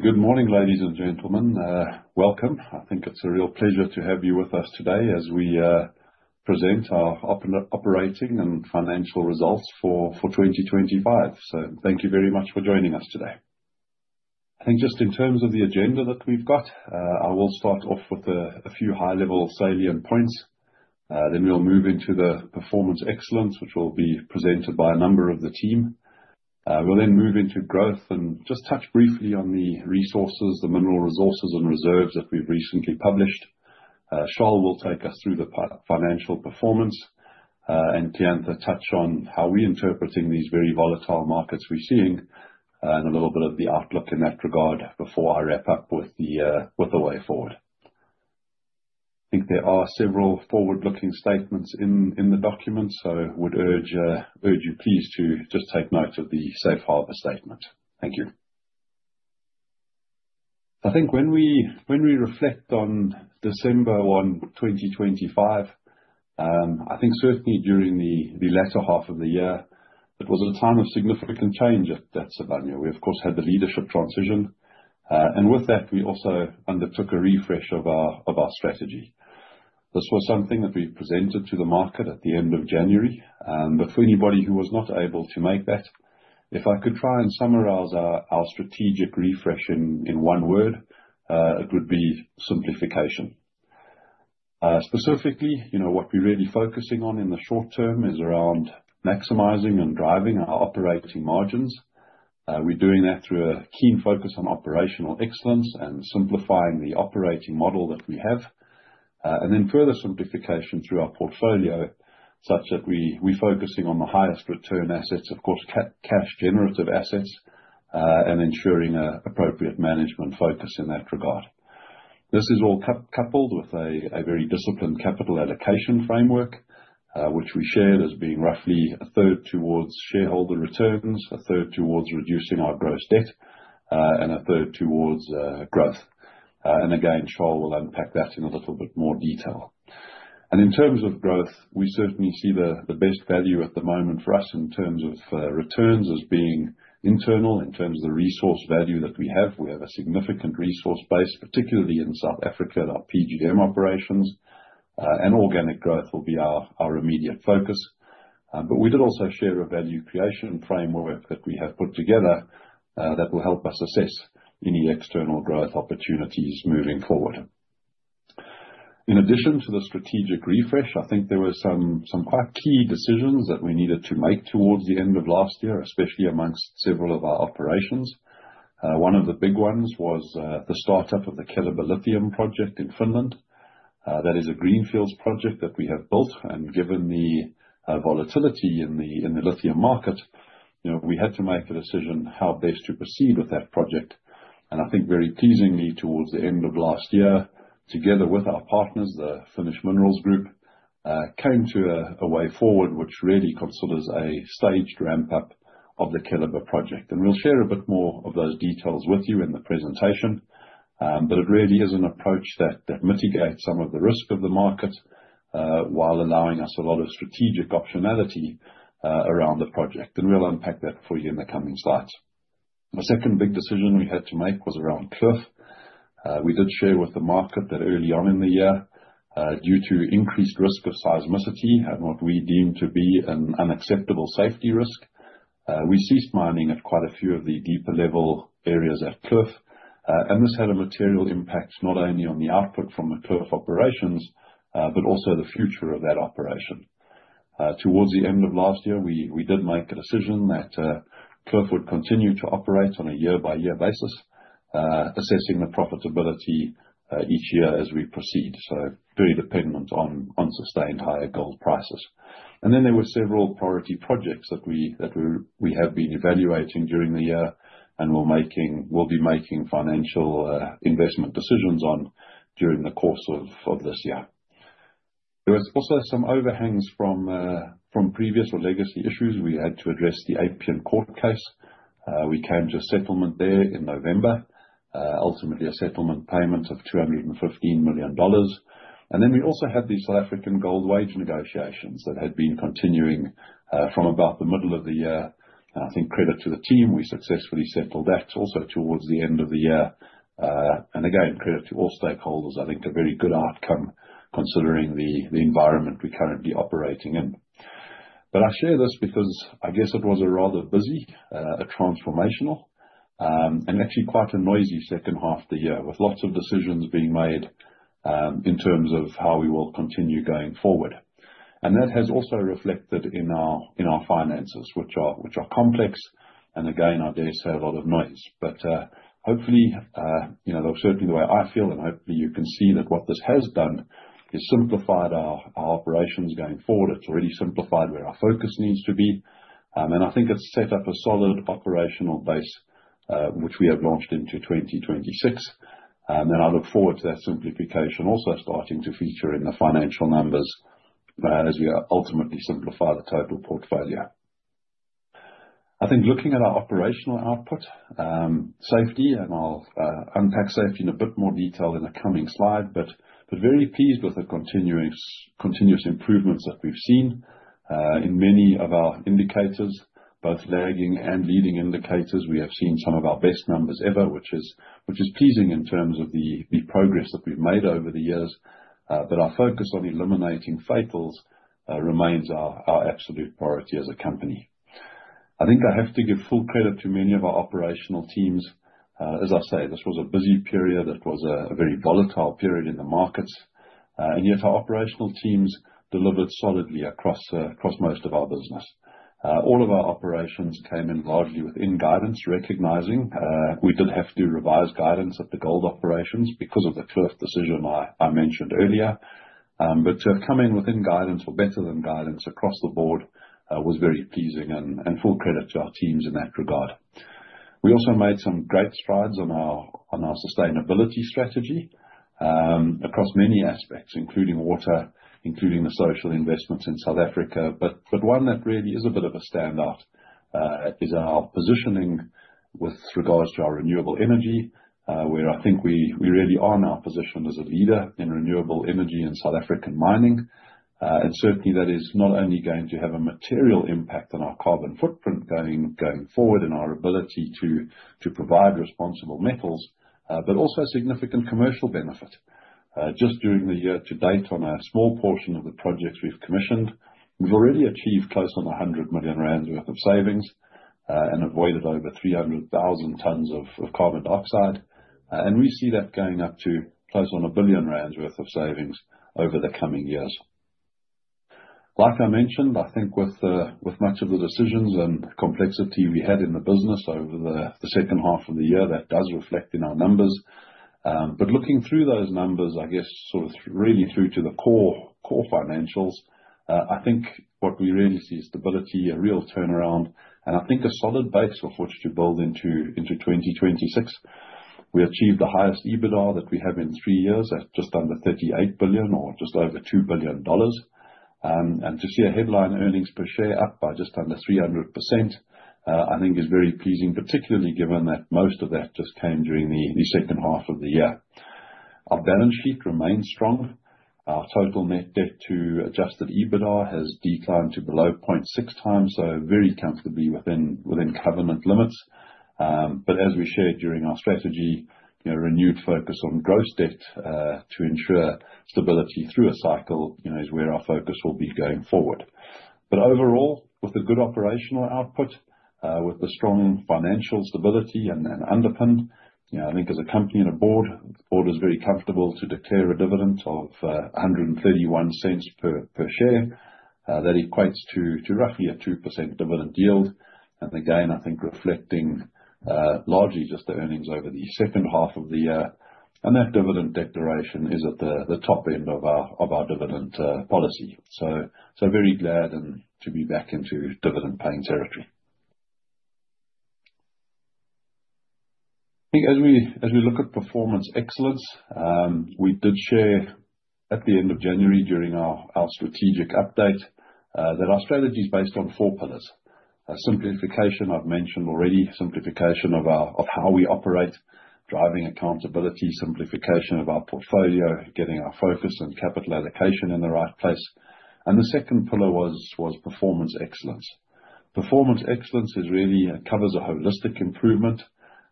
Good morning, ladies and gentlemen. Welcome. I think it's a real pleasure to have you with us today, as we present our operating and financial results for 2025. So, thank you very much for joining us today. I think just in terms of the agenda that we've got, I will start off with a few high-level salient points. Then we'll move into the performance excellence, which will be presented by a number of the team. We'll then move into growth, and just touch briefly on the resources, the mineral resources and reserves that we've recently published. Charles will take us through the financial performance, and then I touch on how we're interpreting these very volatile markets we're seeing, and a little bit of the outlook in that regard, before I wrap up with the way forward. I think there are several forward-looking statements in the documents, so would urge you please to just take note of the safe harbor statement. Thank you. I think when we reflect on 1 December, 2025, I think certainly during the latter half of the year, it was a time of significant change at Sibanye. We, of course, had the leadership transition, and with that, we also undertook a refresh of our strategy. This was something that we presented to the market at the end of January, and but for anybody who was not able to make that, if I could try and summarize our strategic refresh in one word, it would be simplification. Specifically, you know, what we're really focusing on in the short term is around maximizing and driving our operating margins. We're doing that through a keen focus on operational excellence and simplifying the operating model that we have. And then further simplification through our portfolio, such that we, we're focusing on the highest return assets, of course, cash generative assets, and ensuring a appropriate management focus in that regard. This is all coupled with a very disciplined capital allocation framework, which we shared as being roughly a third towards shareholder returns, a third towards reducing our gross debt, and a third towards growth. And again, Charles will unpack that in a little bit more detail. And in terms of growth, we certainly see the best value at the moment for us in terms of returns as being internal, in terms of the resource value that we have. We have a significant resource base, particularly in South Africa, in our PGM operations, and organic growth will be our immediate focus. But we did also share a value creation framework that we have put together, that will help us assess any external growth opportunities moving forward. In addition to the strategic refresh, I think there were some quite key decisions that we needed to make towards the end of last year, especially amongst several of our operations. One of the big ones was the startup of the Keliber lithium project in Finland. That is a greenfields project that we have built, and given the volatility in the lithium market, you know, we had to make a decision how best to proceed with that project. And I think very pleasingly, towards the end of last year, together with our partners, the Finnish Minerals Group, came to a way forward which really considers a staged ramp-up of the Keliber project. We'll share a bit more of those details with you in the presentation, but it really is an approach that mitigates some of the risk of the market, while allowing us a lot of strategic optionality, around the project. We'll unpack that for you in the coming slides. The second big decision we had to make was around Kloof. We did share with the market that early on in the year, due to increased risk of seismicity, and what we deemed to be an unacceptable safety risk, we ceased mining at quite a few of the deeper level areas at Kloof. And this had a material impact, not only on the output from the Cooke operations, but also the future of that operation. Towards the end of last year, we, we did make a decision that, Kloof would continue to operate on a year-by-year basis, assessing the profitability, each year as we proceed, so very dependent on, on sustained higher gold prices. And then there were several priority projects that we, that we, we have been evaluating during the year, and we're making- we'll be making financial, investment decisions on during the course of, of this year. There was also some overhangs from, from previous or legacy issues. We had to address the Appian court case. We came to a settlement there in November, ultimately a settlement payment of $215 million. And then we also had the South African gold wage negotiations that had been continuing, from about the middle of the year. I think credit to the team, we successfully settled that also towards the end of the year. And again, credit to all stakeholders, I think a very good outcome considering the environment we're currently operating in. But I share this because I guess it was a rather busy, a transformational, and actually quite a noisy second half of the year, with lots of decisions being made, in terms of how we will continue going forward. And that has also reflected in our, in our finances, which are, which are complex, and again, I dare say, a lot of noise. But, hopefully, you know, certainly the way I feel, and hopefully you can see that what this has done is simplified our, our operations going forward. It's really simplified where our focus needs to be, and I think it's set up a solid operational base, which we have launched into 2026. And then I look forward to that simplification also starting to feature in the financial numbers, as we ultimately simplify the total portfolio. I think looking at our operational output, safety, and I'll unpack safety in a bit more detail in the coming slide, but very pleased with the continuous improvements that we've seen in many of our indicators both lagging and leading indicators, we have seen some of our best numbers ever, which is pleasing in terms of the progress that we've made over the years. But our focus on eliminating fatals remains our absolute priority as a company. I think I have to give full credit to many of our operational teams. As I say, this was a busy period. It was a very volatile period in the markets, and yet our operational teams delivered solidly across most of our business. All of our operations came in largely within guidance, recognizing we did have to revise guidance at the gold operations because of the Kloof decision I mentioned earlier. But to have come in within guidance or better than guidance across the board was very pleasing, and full credit to our teams in that regard. We also made some great strides on our sustainability strategy across many aspects, including water, including the social investments in South Africa. But one that really is a bit of a standout is our positioning with regards to our renewable energy, where I think we really are now positioned as a leader in renewable energy in South African mining. And certainly that is not only going to have a material impact on our carbon footprint going forward, and our ability to provide responsible metals, but also significant commercial benefit. Just during the year to date, on a small portion of the projects we've commissioned, we've already achieved close on 100 million rand worth of savings, and avoided over 300,000 tons of carbon dioxide. And we see that going up to close on 1 billion rand worth of savings over the coming years. Like I mentioned, I think with much of the decisions and complexity we had in the business over the second half of the year, that does reflect in our numbers. But looking through those numbers, I guess, sort of really through to the core financials, I think what we really see is stability, a real turnaround, and I think a solid base off which to build into 2026. We achieved the highest EBITDA that we have in 3 years, at just under 38 billion or just over $2 billion. And to see a headline earnings per share up by just under 300%, I think is very pleasing, particularly given that most of that just came during the second half of the year. Our balance sheet remains strong. Our total net debt to Adjusted EBITDA has declined to below 0.6 times, so very comfortably within, within covenant limits. But as we shared during our strategy, you know, renewed focus on gross debt, to ensure stability through a cycle, you know, is where our focus will be going forward. But overall, with the good operational output, with the strong financial stability and, and underpinned, you know, I think as a company and a board, the board is very comfortable to declare a dividend of, hundred and thirty-one cents per, per share. That equates to, to roughly a 2% dividend yield. And again, I think reflecting, largely just the earnings over the second half of the year, and that dividend declaration is at the, the top end of our, of our dividend, policy. So very glad to be back into dividend-paying territory. I think as we look at performance excellence, we did share at the end of January, during our strategic update, that our strategy is based on four pillars. Simplification, I've mentioned already, simplification of how we operate, driving accountability, simplification of our portfolio, getting our focus and capital allocation in the right place. The second pillar was performance excellence. Performance excellence really covers a holistic improvement,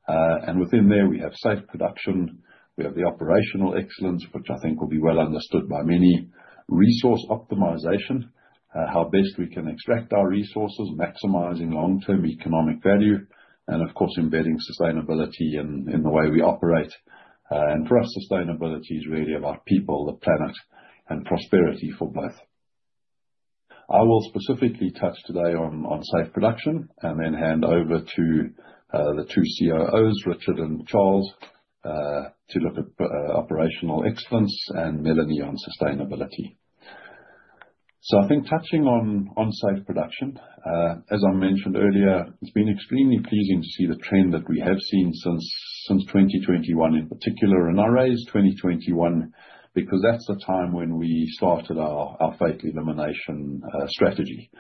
and within there, we have safe production, we have the operational excellence, which I think will be well understood by many. Resource optimization, how best we can extract our resources, maximizing long-term economic value, and of course, embedding sustainability in the way we operate. For us, sustainability is really about people, the planet, and prosperity for both. I will specifically touch today on safe production, and then hand over to the two COOs, Richard and Charles, to look at operational excellence, and Melanie on sustainability. I think touching on safe production, as I mentioned earlier, it's been extremely pleasing to see the trend that we have seen since 2021 in particular. I raise 2021 because that's the time when we started our fatal elimination strategy.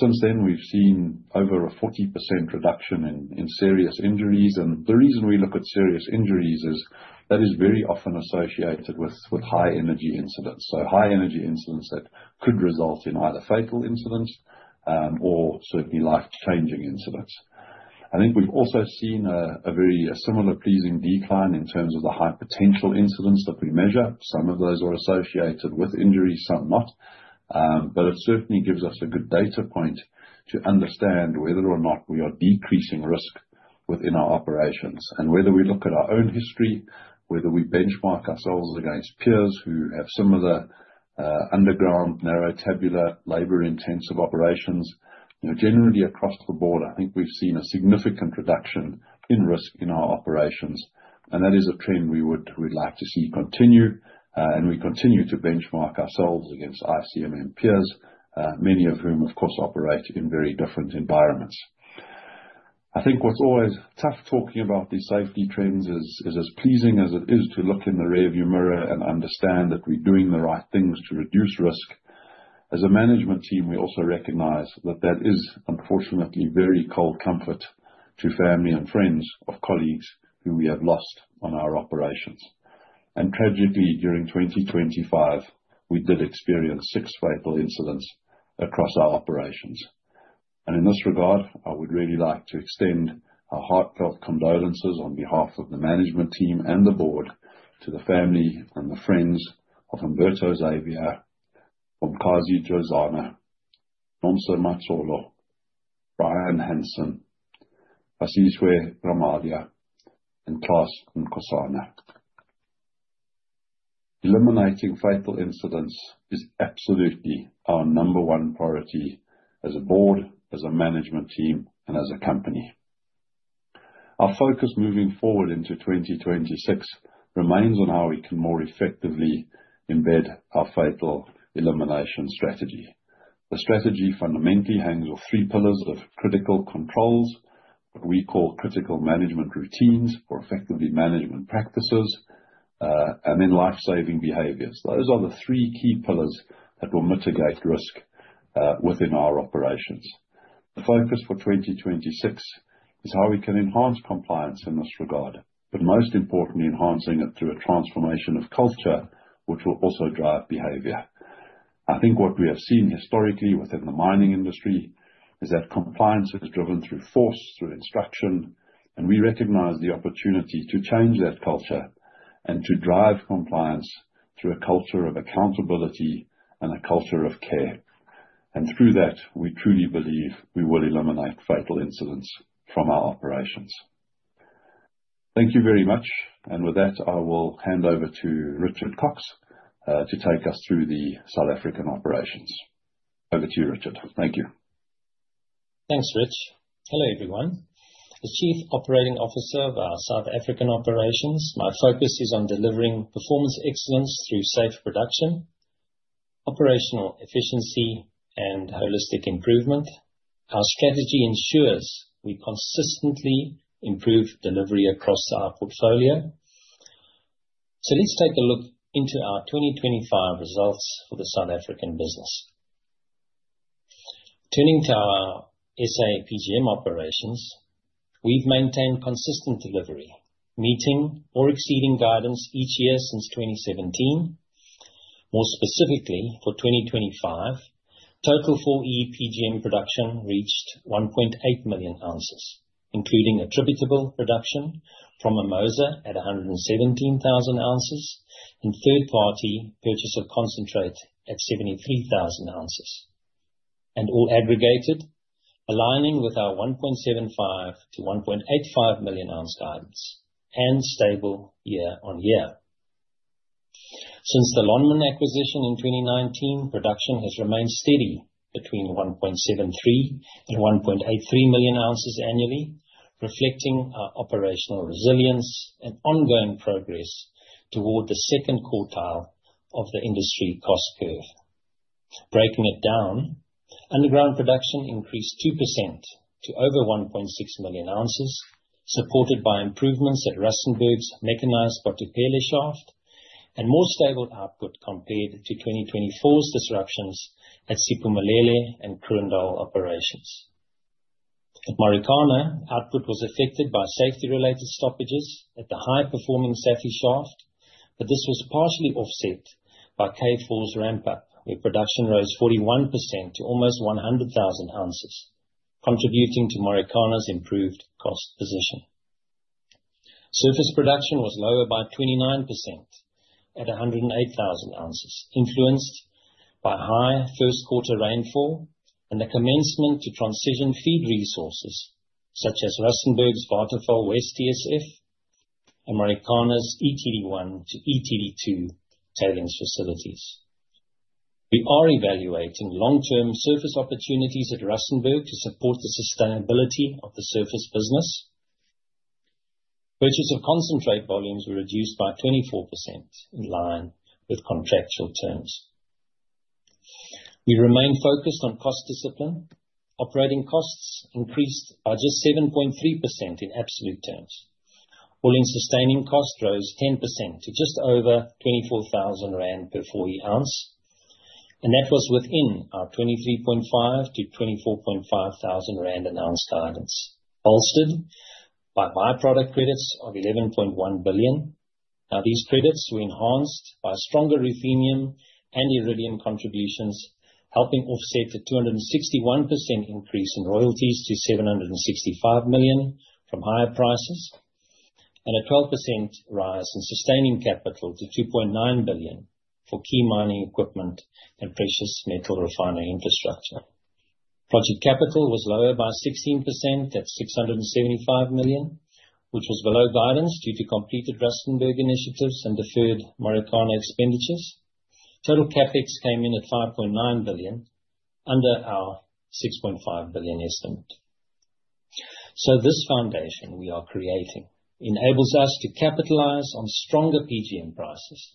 Since then, we've seen over a 40% reduction in serious injuries. The reason we look at serious injuries is that is very often associated with high energy incidents. High energy incidents that could result in either fatal incidents, or certainly life-changing incidents. I think we've also seen a very similar pleasing decline in terms of the high potential incidents that we measure. Some of those are associated with injuries, some not. But it certainly gives us a good data point to understand whether or not we are decreasing risk within our operations. Whether we look at our own history, whether we benchmark ourselves against peers who have similar underground, narrow, tabular, labor-intensive operations, you know, generally across the board, I think we've seen a significant reduction in risk in our operations. That is a trend we would, we'd like to see continue, and we continue to benchmark ourselves against ICMM peers, many of whom, of course, operate in very different environments. I think what's always tough talking about these safety trends is as pleasing as it is to look in the rearview mirror and understand that we're doing the right things to reduce risk, as a management team, we also recognize that that is, unfortunately, very cold comfort to family and friends of colleagues who we have lost on our operations and tragically, during 2025, we did experience six fatal incidents across our operations. And in this regard, I would really like to extend our heartfelt condolences on behalf of the management team and the board, to the family and the friends of Umberto Xavier, Bomkhazi Jozana, Nonso Matolo, Brian Hanson, Asizwe Ramadia, and Thabang Nkosi. Eliminating fatal incidents is absolutely our number one priority as a board, as a management team, and as a company. Our focus moving forward into 2026 remains on how we can more effectively embed our fatal elimination strategy. The strategy fundamentally hangs on three pillars of critical controls, what we call critical management routines, or effectively management practices, and then life-saving behaviors. Those are the three key pillars that will mitigate risk within our operations. The focus for 2026 is how we can enhance compliance in this regard, but most importantly, enhancing it through a transformation of culture, which will also drive behavior. I think what we have seen historically within the mining industry is that compliance is driven through force, through instruction, and we recognize the opportunity to change that culture, and to drive compliance through a culture of accountability and a culture of care. And through that, we truly believe we will eliminate fatal incidents from our operations. Thank you very much. With that, I will hand over to Richard Cox, to take us through the South African operations. Over to you, Richard. Thank you. Thanks, Rich. Hello, everyone. The Chief Operating Officer of our South African operations, my focus is on delivering performance excellence through safe production, operational efficiency, and holistic improvement. Our strategy ensures we consistently improve delivery across our portfolio. So let's take a look into our 2025 results for the South African business. Turning to our SA PGM operations, we've maintained consistent delivery, meeting or exceeding guidance each year since 2017. More specifically, for 2025, total full year PGM production reached 1.8 million ounces, including attributable production from Mimosa at 117,000 ounces, and third party purchase of concentrate at 73,000 ounces. And all aggregated, aligning with our 1.75-1.85 million ounce guidance, and stable year-on-year. Since the Lonmin acquisition in 2019, production has remained steady between 1.73 and 1.83 million ounces annually, reflecting our operational resilience and ongoing progress toward the second quartile of the industry cost curve. Breaking it down, underground production increased 2% to over 1.6 million ounces, supported by improvements at Rustenburg's mechanized Bathopele shaft, and more stable output compared to 2024's disruptions at Siphumelele and Kroondal operations. At Marikana, output was affected by safety-related stoppages at the high-performing Saffy shaft, but this was partially offset by K4 ramp-up, where production rose 41% to almost 100,000 ounces, contributing to Marikana's improved cost position. Surface production was lower by 29%, at 108,000 ounces, influenced by high first quarter rainfall and the commencement to transition feed resources such as Rustenburg's Waterval West TSF and Marikana's ETD1 to ETD2 tailings facilities. We are evaluating long-term surface opportunities at Rustenburg to support the sustainability of the surface business. Purchase of concentrate volumes were reduced by 24% in line with contractual terms. We remain focused on cost discipline. Operating costs increased by just 7.3% in absolute terms, while AISC rose 10% to just over 24,000 rand per 4E ounce, and that was within our 23.5 thousand-24.5 thousand rand/ounce guidance, bolstered by byproduct credits of 11.1 billion. Now, these credits were enhanced by stronger ruthenium and iridium contributions, helping offset the 261% increase in royalties to 765 million from higher prices, and a 12% rise in sustaining capital to 2.9 billion for key mining equipment and precious metal refinery infrastructure. Project capital was lower by 16%, at 675 million, which was below guidance due to completed Rustenburg initiatives and deferred Marikana expenditures. Total CapEx came in at 5.9 billion, under our 6.5 billion estimate. So this foundation we are creating enables us to capitalize on stronger PGM prices.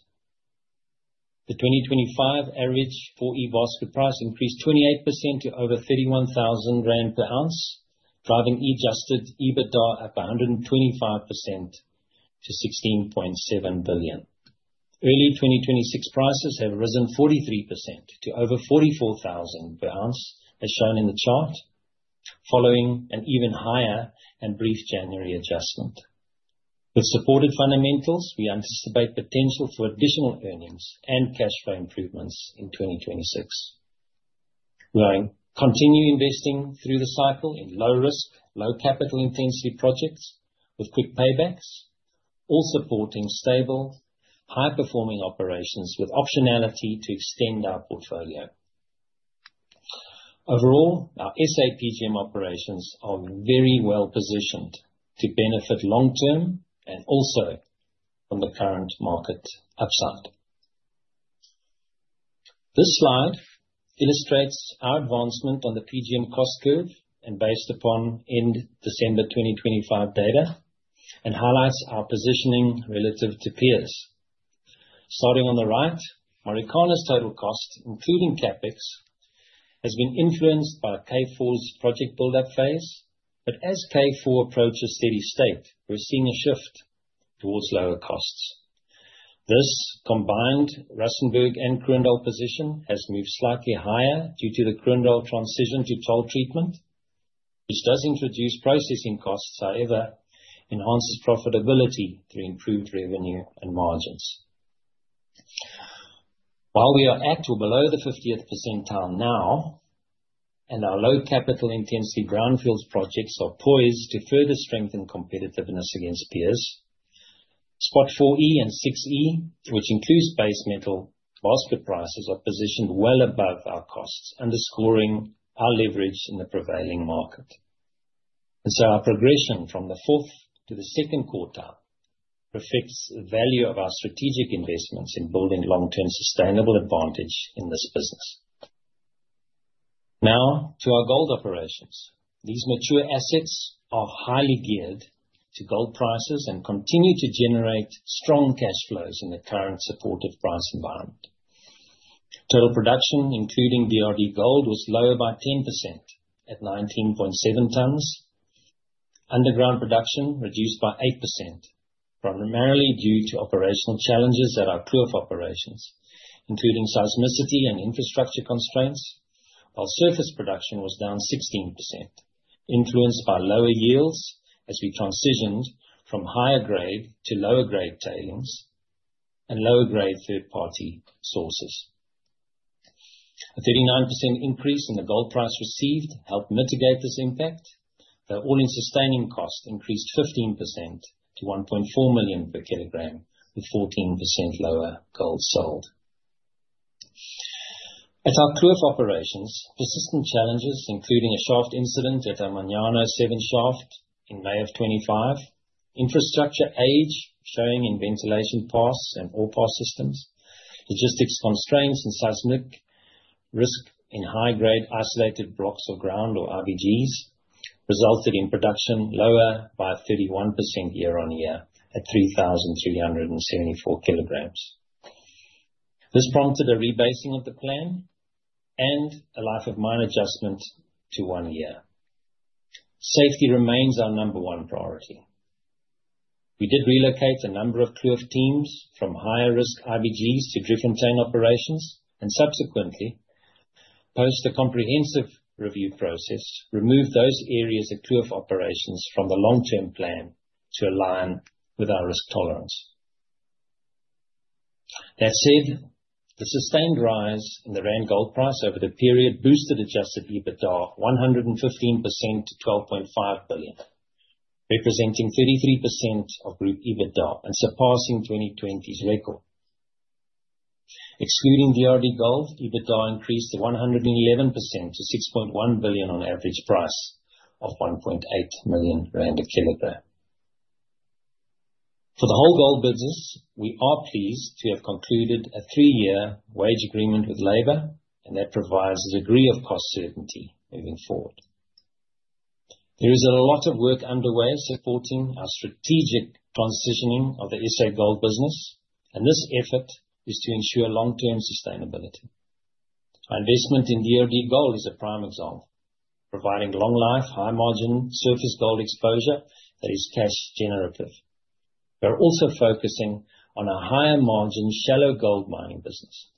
The 2025 average full year basket price increased 28% to over 31,000 rand per ounce, driving adjusted EBITDA up by a 125% to 16.7 billion. Early 2026 prices have risen 43% to over $44,000 per ounce, as shown in the chart. Following an even higher and brief January adjustment. With supported fundamentals, we anticipate potential for additional earnings and cash flow improvements in 2026. We are continuing investing through the cycle in low risk, low capital intensity projects with quick paybacks, all supporting stable, high-performing operations with optionality to extend our portfolio. Overall, our SA PGM operations are very well positioned to benefit long term and also from the current market upside. This slide illustrates our advancement on the PGM cost curve and based upon end December 2025 data, and highlights our positioning relative to peers. Starting on the right, Marikana's total cost, including CapEx, has been influenced by K4's project buildup phase, but as K4 approaches steady state, we're seeing a shift towards lower costs. This combined Rustenburg and Kroondal position has moved slightly higher due to the Kroondal transition to toll treatment, which does introduce processing costs, however, enhances profitability through improved revenue and margins. While we are at or below the fiftieth percentile now, and our low capital intensity greenfields projects are poised to further strengthen competitiveness against peers, spot 4E and 6E, which includes base metal, basket prices are positioned well above our costs, underscoring our leverage in the prevailing market. And so our progression from the fourth to the second quarter reflects the value of our strategic investments in building long-term sustainable advantage in this business. Now, to our gold operations. These mature assets are highly geared to gold prices and continue to generate strong cash flows in the current supportive price environment. Total production, including DRDGold, was lower by 10% at 19.7 tons. Underground production reduced by 8%, primarily due to operational challenges at our Cooke operations, including seismicity and infrastructure constraints, while surface production was down 16%, influenced by lower yields as we transitioned from higher grade to lower grade tailings and lower grade third-party sources. A 39% increase in the gold price received helped mitigate this impact, though all-in sustaining costs increased 15% to 1.4 million per kg, with 14% lower gold sold. At our Cooke operations, persistent challenges, including a shaft incident at Amanzime 7 shaft in May 2025, infrastructure age showing in ventilation paths and ore pass systems, logistics constraints and seismic risk in high-grade isolated blocks of ground, or IBGs, resulted in production lower by 31% year-on-year at 3,374 kg. This prompted a rebasing of the plan and a life of mine adjustment to one year. Safety remains our number one priority. We did relocate a number of Kloof teams from higher risk IBGs to different mine operations, and subsequently, post the comprehensive review process, removed those areas of Cooke operations from the long-term plan to align with our risk tolerance. That said, the sustained rise in the rand gold price over the period boosted Adjusted EBITDA 115% to 12.5 billion, representing 33% of group EBITDA and surpassing 2020's record. Excluding DRDGold, EBITDA increased 111% to 6.1 billion on average price of 1.8 million rand a kg. For the whole gold business, we are pleased to have concluded a three year wage agreement with labor, and that provides a degree of cost certainty moving forward. There is a lot of work underway supporting our strategic transitioning of the SA gold business, and this effort is to ensure long-term sustainability. Our investment in DRDGold is a prime example, providing long-life, high-margin surface gold exposure that is cash generative. We are also focusing on a higher margin, shallow gold mining business,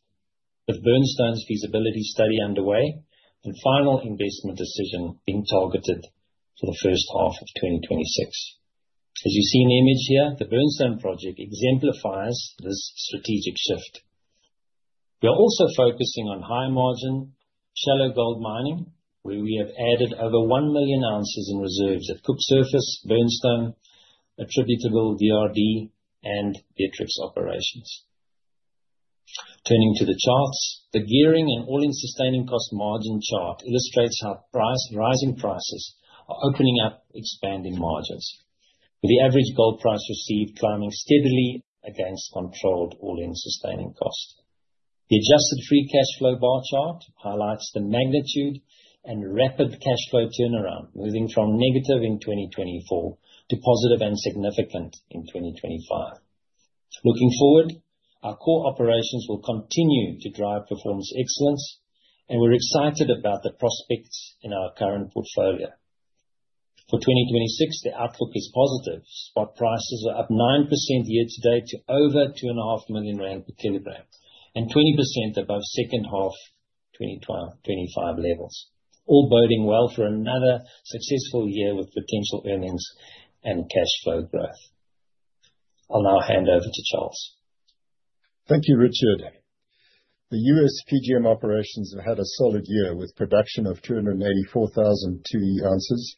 with Burnstone's feasibility study underway and final investment decision being targeted for the first half of 2026. As you see in the image here, the Burnstone project exemplifies this strategic shift. We are also focusing on high margin, shallow gold mining, where we have added over one million ounces in reserves at Kloof Surface, Burnstone, attributable DRD and Beatrix operations. Turning to the charts, the gearing and all-in sustaining cost margin chart illustrates how price, rising prices are opening up expanding margins, with the average gold price received climbing steadily against controlled all-in sustaining cost. The adjusted free cash flow bar chart highlights the magnitude and rapid cash flow turnaround, moving from negative in 2024 to positive and significant in 2025. Looking forward, our core operations will continue to drive performance excellence, and we're excited about the prospects in our current portfolio. For 2026, the outlook is positive. Spot prices are up 9% year-to-date to over 2.5 million rand per kg, and 20% above second half 2025 levels, all boding well for another successful year with potential earnings and cash flow growth. I'll now hand over to Charles. Thank you, Richard. The US PGM operations have had a solid year, with production of 284,002 ounces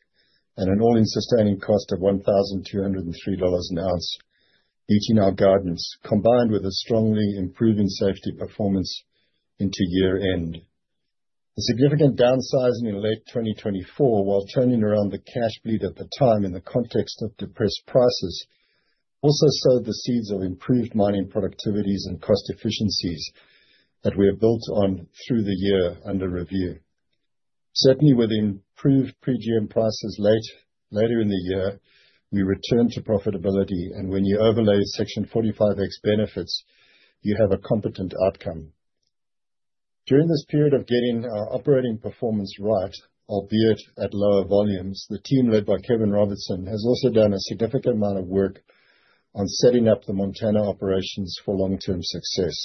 and an all-in sustaining cost of $1,203 an ounce, beating our guidance, combined with a strongly improving safety performance into year-end. The significant downsizing in late 2024, while turning around the cash bleed at the time in the context of depressed prices, also sowed the seeds of improved mining productivities and cost efficiencies that we have built on through the year under review. Certainly, with improved PGM prices later in the year, we returned to profitability, and when you overlay Section 45X benefits, you have a competent outcome. During this period of getting our operating performance right, albeit at lower volumes, the team led by Kevin Robertson has also done a significant amount of work on setting up the Montana operations for long-term success.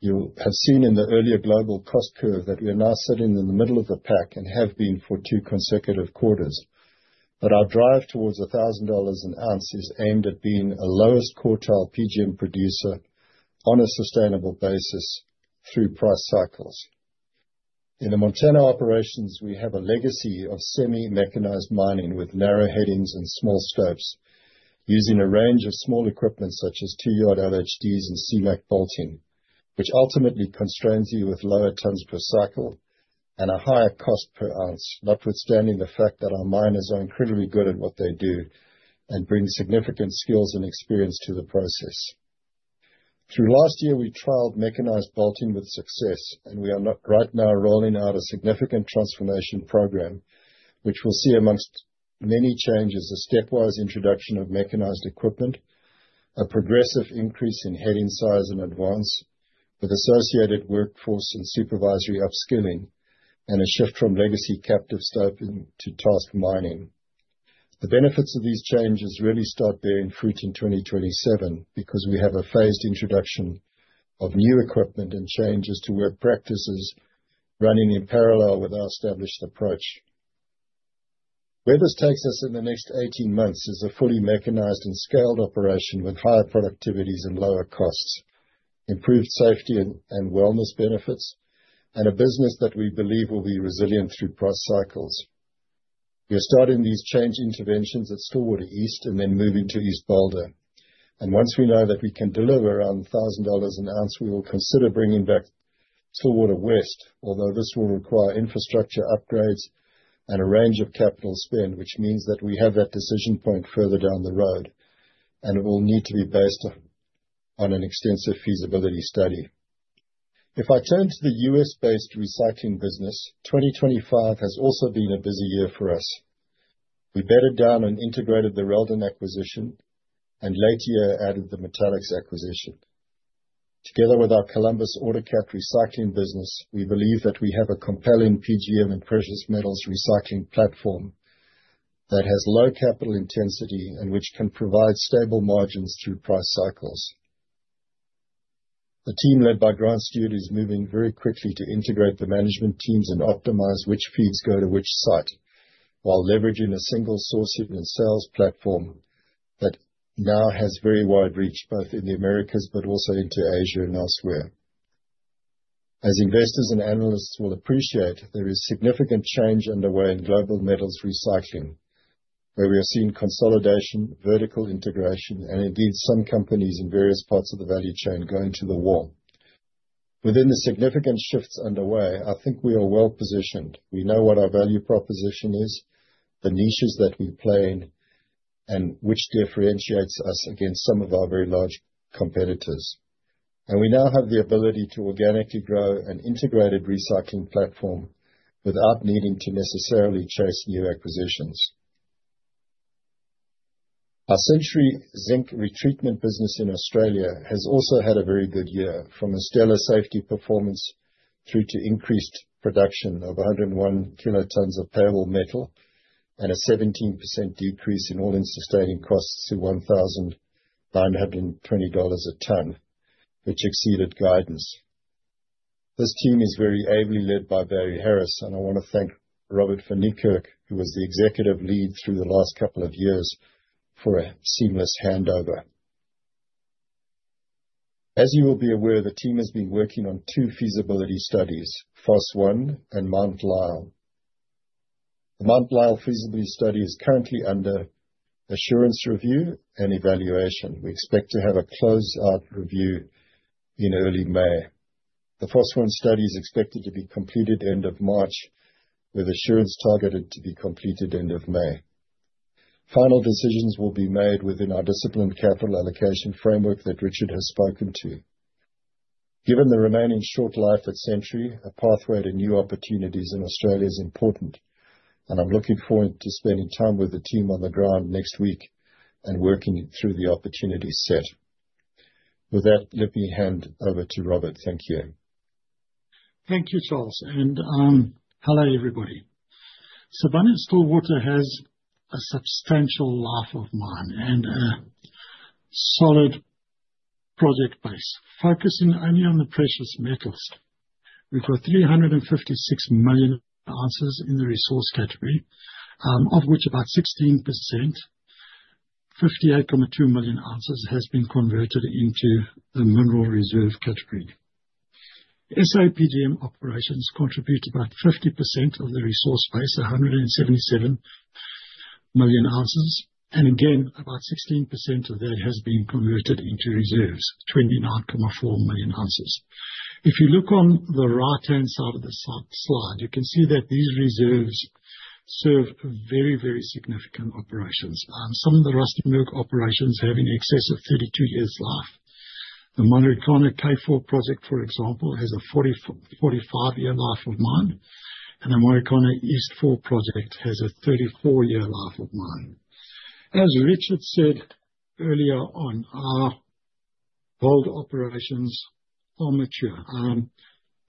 You have seen in the earlier global cost curve that we are now sitting in the middle of the pack, and have been for two consecutive quarters. But our drive towards $1,000 an ounce is aimed at being a lowest quartile PGM producer on a sustainable basis through price cycles. In the Montana operations, we have a legacy of semi-mechanized mining, with narrow headings and small stopes, using a range of small equipment such as 2-yard LHDs and CMAC bolting, which ultimately constrains you with lower tons per cycle and a higher cost per ounce, notwithstanding the fact that our miners are incredibly good at what they do and bring significant skills and experience to the process. Through last year, we trialed mechanized bolting with success, and we are now right now rolling out a significant transformation program, which will see, among many changes, a stepwise introduction of mechanized equipment, a progressive increase in heading size and advance, with associated workforce and supervisory upskilling, and a shift from legacy captive stoping to task mining. The benefits of these changes really start bearing fruit in 2027, because we have a phased introduction of new equipment and changes to work practices running in parallel with our established approach. Where this takes us in the next 18 months is a fully mechanized and scaled operation with higher productivities and lower costs, improved safety and wellness benefits, and a business that we believe will be resilient through price cycles. We are starting these change interventions at Stillwater East, and then moving to East Boulder. And once we know that we can deliver around $1,000 an ounce, we will consider bringing back Stillwater West, although this will require infrastructure upgrades and a range of capital spend, which means that we have that decision point further down the road, and it will need to be based on an extensive feasibility study. If I turn to the U.S.-based recycling business, 2025 has also been a busy year for us. We bedded down and integrated the Reldan acquisition, and later added the Metallix acquisition. Together with our Columbus Autocat recycling business, we believe that we have a compelling PGM and precious metals recycling platform that has low capital intensity and which can provide stable margins through price cycles. The team, led by Grant Stewart, is moving very quickly to integrate the management teams and optimize which feeds go to which site, while leveraging a single sourcing and sales platform that now has very wide reach, both in the Americas but also into Asia and elsewhere. As investors and analysts will appreciate, there is significant change underway in global metals recycling, where we are seeing consolidation, vertical integration, and indeed some companies in various parts of the value chain going to the wall. Within the significant shifts underway, I think we are well positioned. We know what our value proposition is, the niches that we play in, and which differentiates us against some of our very large competitors. We now have the ability to organically grow an integrated recycling platform without needing to necessarily chase new acquisitions. Our Century Zinc retreatment business in Australia has also had a very good year, from a stellar safety performance through to increased production of 101 kilotons of payable metal and a 17% decrease in all-in sustaining costs to $1,920 a ton, which exceeded guidance. This team is very ably led by Barry Harris, and I want to thank Robert van Niekerk, who was the executive lead through the last couple of years, for a seamless handover. As you will be aware, the team has been working on two feasibility studies, phase I and Mount Lyell. The Mount Lyell feasibility study is currently under assurance, review, and evaluation. We expect to have a close-out review in early May. The phase I study is expected to be completed end of March, with assurance targeted to be completed end of May. Final decisions will be made within our disciplined capital allocation framework that Richard has spoken to. Given the remaining short life at Century, a pathway to new opportunities in Australia is important, and I'm looking forward to spending time with the team on the ground next week and working through the opportunity set. With that, let me hand over to Robert. Thank you. Thank you, Charles, and hello, everybody. Sibanye-Stillwater has a substantial life of mine and a solid project base. Focusing only on the precious metals, we've got 356 million ounces in the resource category, of which about 16%, 58.2 million ounces, has been converted into the mineral reserve category. SAP DM operations contribute about 50% of the resource base, 177 million ounces, and again, about 16% of that has been converted into reserves, 29.4 million ounces. If you look on the right-hand side of the slide, you can see that these reserves serve very, very significant operations. Some of the Rustenburg operations have in excess of 32 years life. The Marikana K4 project, for example, has a 45-year life of mine, and the Marikana East four project has a 34-year life of mine. As Richard said earlier on, our gold operations are mature.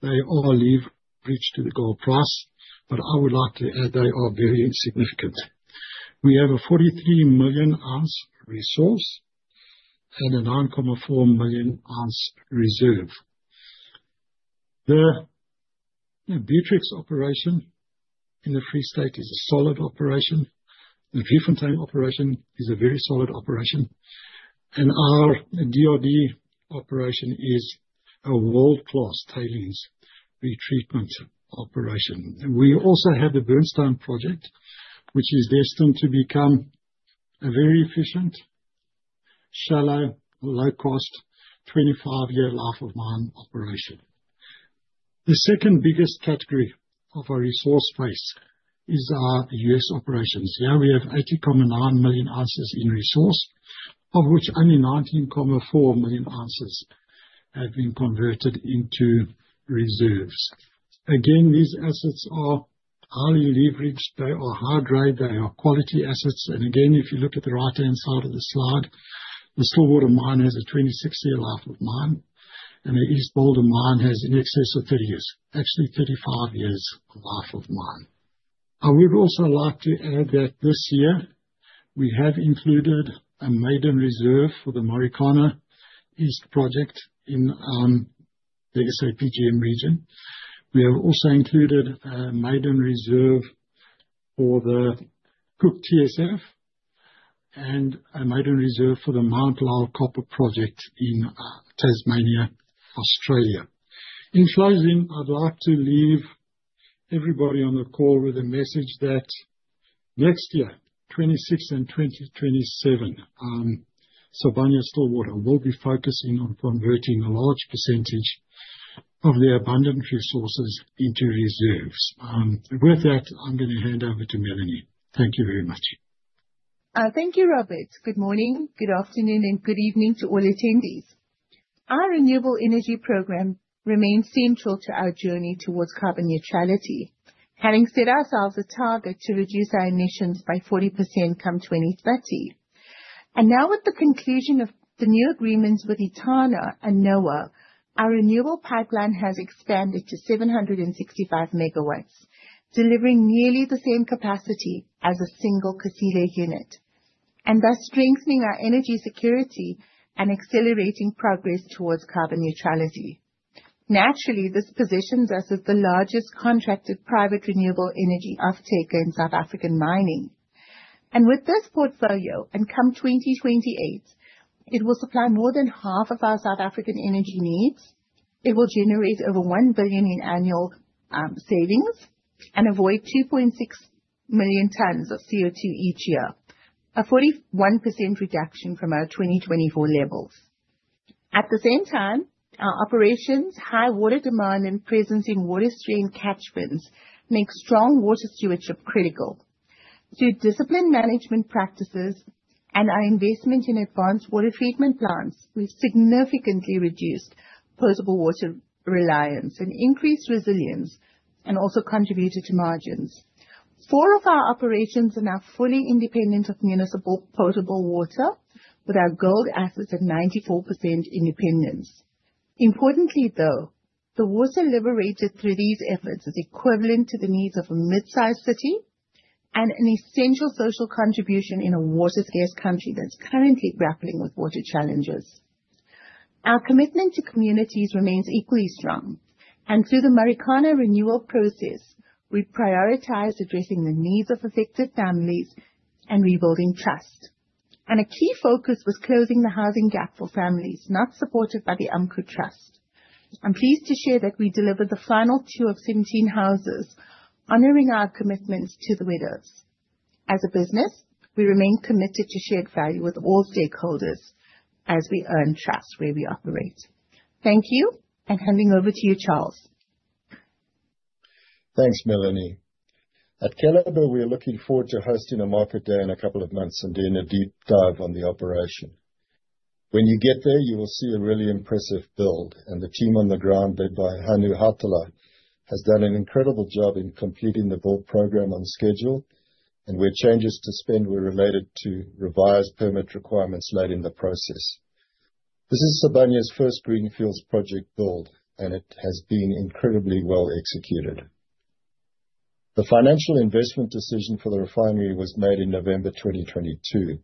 They all leave bridge to the gold price, but I would like to add, they are very insignificant. We have a 43 million ounce resource and a 9.4 million ounce reserve. The Beatrix operation in the Free State is a solid operation. The Riebeeck East operation is a very solid operation, and our DRD operation is a world-class tailings retreatment operation. We also have the Burnstone project, which is destined to become a very efficient, shallow, low-cost, 25-year life of mine operation. The second biggest category of our resource base is our U.S. operations. Here we have 89 million ounces in resource, of which only 19.4 million ounces have been converted into reserves. Again, these assets are highly leveraged. They are high grade, they are quality assets. And again, if you look at the right-hand side of the slide, the Stillwater Mine has a 26-year life of mine, and the East Boulder Mine has in excess of 30 years, actually 35 years of life of mine. I would also like to add that this year we have included a maiden reserve for the Marikana East project in, let us say, PGM region. We have also included a maiden reserve for the Cooke TSF and a maiden reserve for the Mount Lyell copper project in, Tasmania, Australia. In closing, I'd like to leave everybody on the call with a message that next year, 2026 and 2027, Sibanye-Stillwater will be focusing on converting a large percentage of their abundant resources into reserves. With that, I'm gonna hand over to Melanie. Thank you very much. Thank you, Robert. Good morning, good afternoon, and good evening to all attendees. Our renewable energy program remains central to our journey toward carbon neutrality, having set ourselves a target to reduce our emissions by 40% come 2030. Now, with the conclusion of the new agreements with Etana and NOA, our renewable pipeline has expanded to 765 MW, delivering nearly the same capacity as a single Kusile unit, and thus strengthening our energy security and accelerating progress toward carbon neutrality. Naturally, this positions us as the largest contracted private renewable energy off-taker in South African mining. With this portfolio, come 2028, it will supply more than half of our South African energy needs. It will generate over 1 billion in annual savings and avoid 2.6 million tons of CO2 each year, a 41% reduction from our 2024 levels. At the same time, our operations, high water demand, and presence in water stream catchments make strong water stewardship critical. Through disciplined management practices and our investment in advanced water treatment plants, we've significantly reduced potable water reliance and increased resilience, and also contributed to margins. Four of our operations are now fully independent of municipal potable water, with our gold assets at 94% independence. Importantly, though, the water liberated through these efforts is equivalent to the needs of a mid-sized city and an essential social contribution in a water-scarce country that's currently grappling with water challenges. Our commitment to communities remains equally strong, and through the Marikana renewal process, we've prioritized addressing the needs of affected families and rebuilding trust. A key focus was closing the housing gap for families not supported by the Umkhu Trust. I'm pleased to share that we delivered the final two of 17 houses, honoring our commitment to the widows. As a business, we remain committed to shared value with all stakeholders as we earn trust where we operate. Thank you, and handing over to you, Charles. Thanks, Melanie. At Keliber, we are looking forward to hosting a market day in a couple of months and doing a deep dive on the operation. When you get there, you will see a really impressive build, and the team on the ground, led by Hannu Hautala, has done an incredible job in completing the build program on schedule, and where changes to spend were related to revised permit requirements late in the process. This is Sibanye-Stillwater's first greenfield project build, and it has been incredibly well executed. The financial investment decision for the refinery was made in November 2022.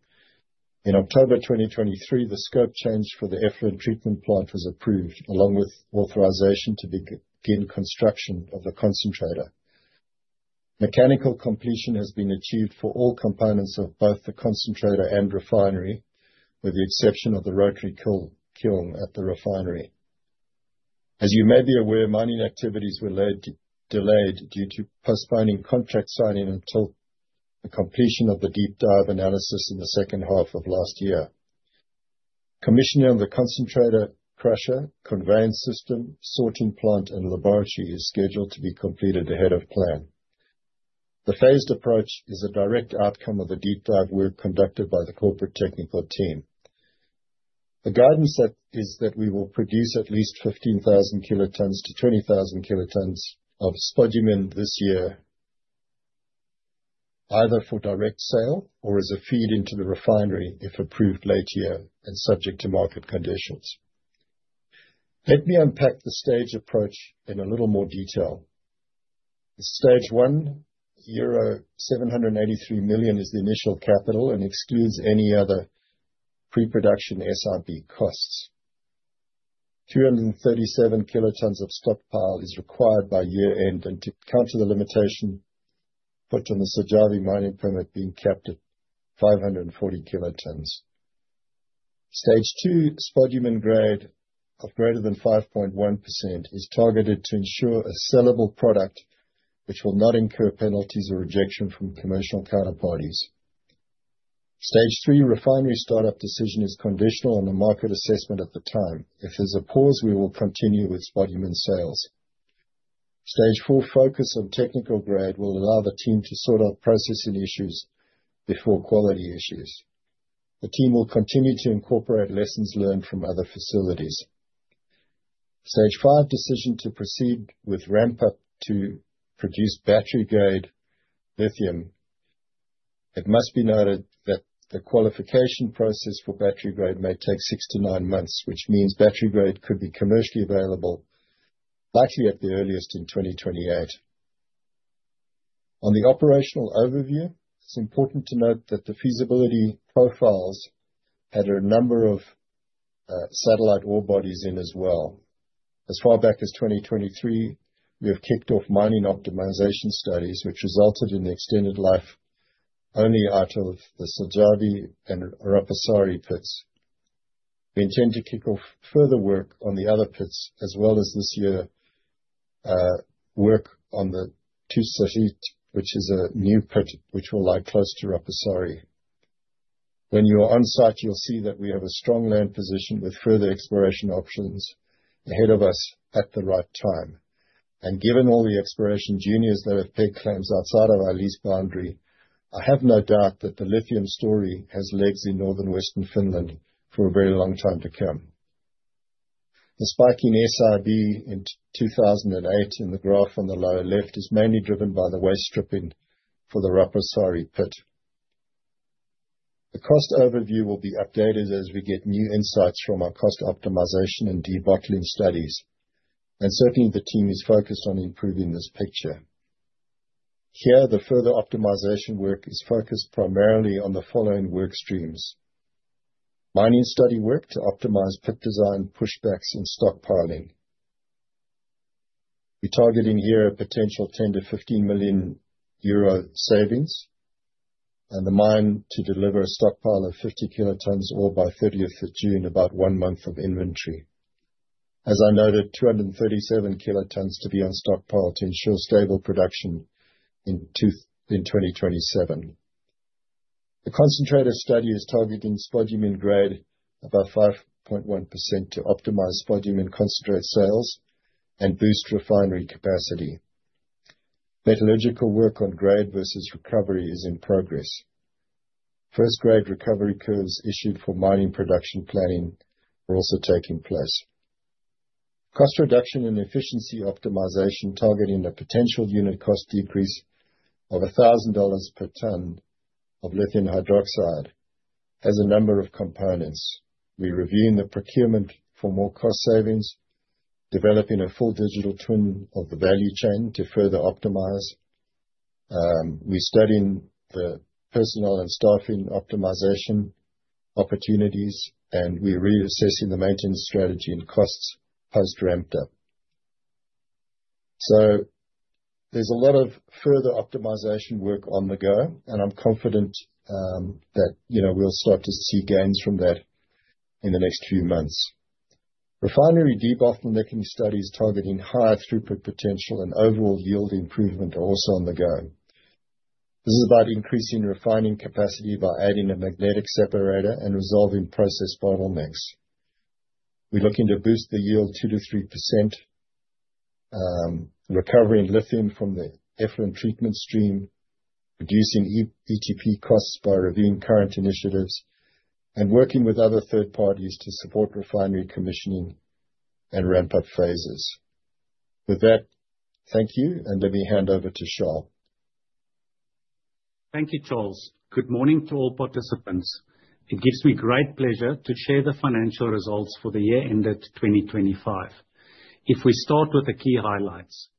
In October 2023, the scope change for the effluent treatment plant was approved, along with authorization to begin construction of the concentrator. Mechanical completion has been achieved for all components of both the concentrator and refinery, with the exception of the rotary kiln at the refinery. As you may be aware, mining activities were delayed due to postponing contract signing until the completion of the deep dive analysis in the second half of last year. Commissioning of the concentrator, crusher, conveyance system, sorting plant, and laboratory is scheduled to be completed ahead of plan. The phased approach is a direct outcome of the deep dive work conducted by the corporate technical team. The guidance is that we will produce at least 15,000-20,000 tons of spodumene this year, either for direct sale or as a feed into the refinery, if approved last year and subject to market conditions. Let me unpack the stage approach in a little more detail. Stage one, euro 783 million is the initial capital and excludes any other pre-production SRB costs. 237 kilotons of stockpile is required by year-end, and to counter the limitation put on the Syväjärvi mining permit being capped at 540 kilotons. Stage two, spodumene grade of greater than 5.1% is targeted to ensure a sellable product, which will not incur penalties or rejection from commercial counterparties. Stage three, refinery start-up decision is conditional on the market assessment at the time. If there's a pause, we will continue with spodumene sales. Stage four, focus on technical grade will allow the team to sort out processing issues before quality issues. The team will continue to incorporate lessons learned from other facilities. Stage five, decision to proceed with ramp up to produce battery-grade lithium. It must be noted that the qualification process for battery grade may take six to nine months, which means battery grade could be commercially available likely at the earliest, in 2028. On the operational overview, it's important to note that the feasibility profiles had a number of satellite ore bodies in as well. As far back as 2023, we have kicked off mining optimization studies, which resulted in the extended life only out of the Syväjärvi and Rapasaari pits. We intend to kick off further work on the other pits, as well as this year work on the Kuisari, which is a new pit which will lie close to Rapasaari. When you are on site, you'll see that we have a strong land position with further exploration options ahead of us at the right time. Given all the exploration juniors that have claimed claims outside of our lease boundary, I have no doubt that the lithium story has legs in northern western Finland for a very long time to come. The spike in Strip Ratio in 2008, in the graph on the lower left, is mainly driven by the waste stripping for the Rapasaari pit. The cost overview will be updated as we get new insights from our cost optimization and debottlenecking studies, and certainly the team is focused on improving this picture. Here, the further optimization work is focused primarily on the following work streams: Mining study work to optimize pit design, pushbacks and stockpiling. We're targeting here a potential 10-15 million euro savings, and the mine to deliver a stockpile of 50 kilotons ore by thirtieth of June, about one month of inventory. As I noted, 237 kilotons to be on stockpile to ensure stable production in 2027. The concentrator study is targeting spodumene grade above 5.1% to optimize spodumene concentrate sales and boost refinery capacity. Metallurgical work on grade versus recovery is in progress. First grade recovery curves issued for mining production planning are also taking place. Cost reduction and efficiency optimization, targeting a potential unit cost decrease of $1,000 per ton of lithium hydroxide, has a number of components. We're reviewing the procurement for more cost savings, developing a full digital twin of the value chain to further optimize. We're studying the personnel and staffing optimization opportunities, and we're reassessing the maintenance strategy and costs post ramp-up. So there's a lot of further optimization work on the go, and I'm confident, that, you know, we'll start to see gains from that in the next few months. Refinery debottlenecking studies targeting higher throughput potential and overall yield improvement are also on the go. This is about increasing refining capacity by adding a magnetic separator and resolving process bottlenecks. We're looking to boost the yield 2%-3%, recovery in lithium from the effluent treatment stream, reducing ETP costs by reviewing current initiatives, and working with other third parties to support refinery commissioning and ramp-up phases. With that, thank you, and let me hand over to Charl. Thank you, Charles. Good morning to all participants. It gives me great pleasure to share the financial results for the year ended 2025. If we start with the key highlights: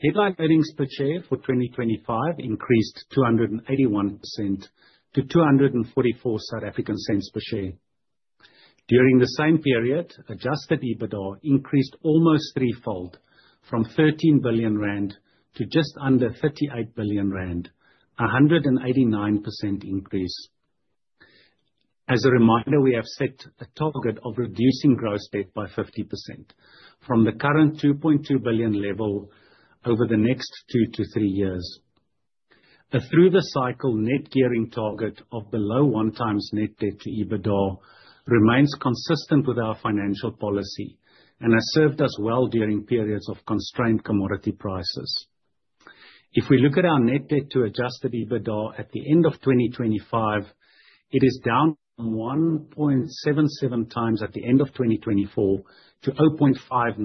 Headline earnings per share for 2025 increased 281% to 2.44 per share. During the same period, adjusted EBITDA increased almost threefold, from 13 billion rand to just under 38 billion rand, a 189% increase. As a reminder, we have set a target of reducing gross debt by 50% from the current 2.2 billion level over the next two to three years. A through-the-cycle net gearing target of below 1x net debt to EBITDA remains consistent with our financial policy and has served us well during periods of constrained commodity prices. If we look at our net debt to Adjusted EBITDA at the end of 2025, it is down from 1.77 times at the end of 2024 to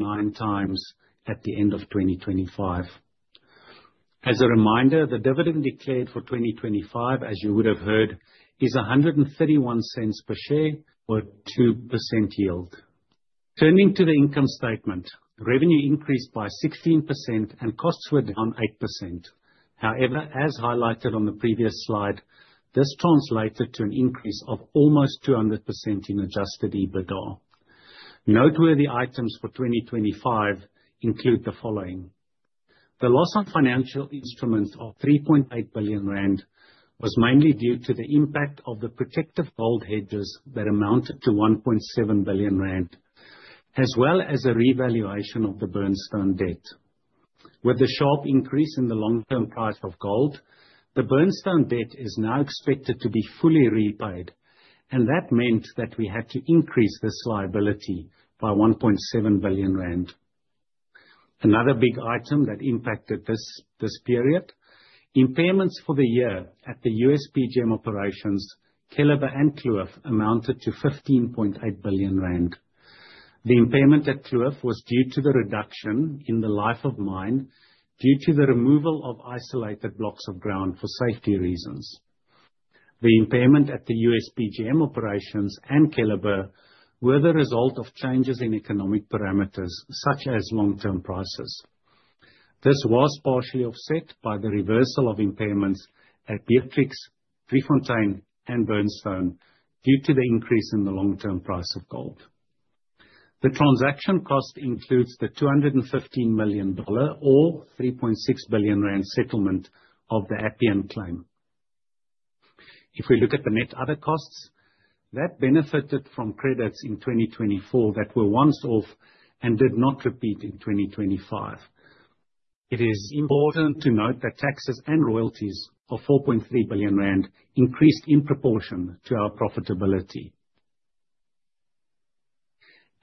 0.59 times at the end of 2025. As a reminder, the dividend declared for 2025, as you would have heard, is 1.31 per share, or 2% yield. Turning to the income statement, revenue increased by 16% and costs were down 8%. However, as highlighted on the previous slide, this translated to an increase of almost 200% in Adjusted EBITDA. Noteworthy items for 2025 include the following: The loss on financial instruments of 3.8 billion rand was mainly due to the impact of the protective gold hedges that amounted to 1.7 billion rand, as well as a revaluation of the Burnstone debt. With the sharp increase in the long-term price of gold, the Burnstone debt is now expected to be fully repaid, and that meant that we had to increase this liability by 1.7 billion rand. Another big item that impacted this period, impairments for the year at the US PGM operations, Keliber, and Kloof, amounted to 15.8 billion rand. The impairment at Kloof was due to the reduction in the life of mine due to the removal of isolated blocks of ground for safety reasons. The impairment at the US PGM operations and Keliber were the result of changes in economic parameters, such as long-term prices. This was partially offset by the reversal of impairments at Beatrix, Driefontein, and Burnstone due to the increase in the long-term price of gold. The transaction cost includes the $215 million, or 3.6 billion rand, settlement of the Appian claim. If we look at the net other costs, that benefited from credits in 2024 that were one-off and did not repeat in 2025. It is important to note that taxes and royalties of 4.3 billion rand increased in proportion to our profitability.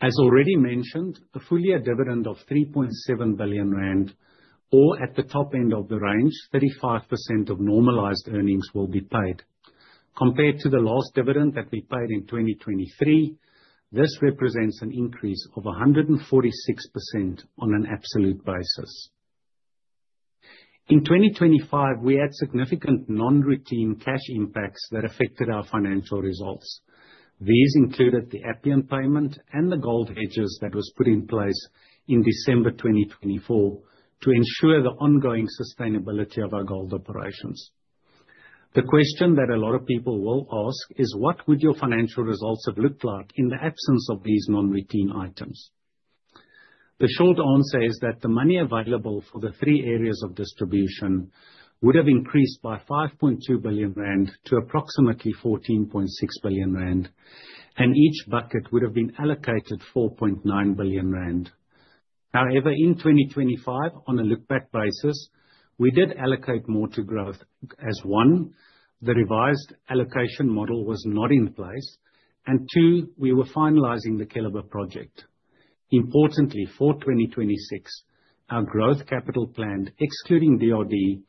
As already mentioned, a full year dividend of 3.7 billion rand, or at the top end of the range, 35% of normalized earnings will be paid. Compared to the last dividend that we paid in 2023, this represents an increase of 146% on an absolute basis. In 2025, we had significant non-routine cash impacts that affected our financial results. These included the Appian payment and the gold hedges that was put in place in December 2024 to ensure the ongoing sustainability of our gold operations. The question that a lot of people will ask is: What would your financial results have looked like in the absence of these non-routine items? The short answer is that the money available for the three areas of distribution would have increased by 5.2 billion rand to approximately 14.6 billion rand, and each bucket would have been allocated 4.9 billion rand. However, in 2025, on a look-back basis, we did allocate more to growth, as, one, the revised allocation model was not in place, and, two, we were finalizing the Keliber project. Importantly, for 2026, our growth capital plan, excluding DRD,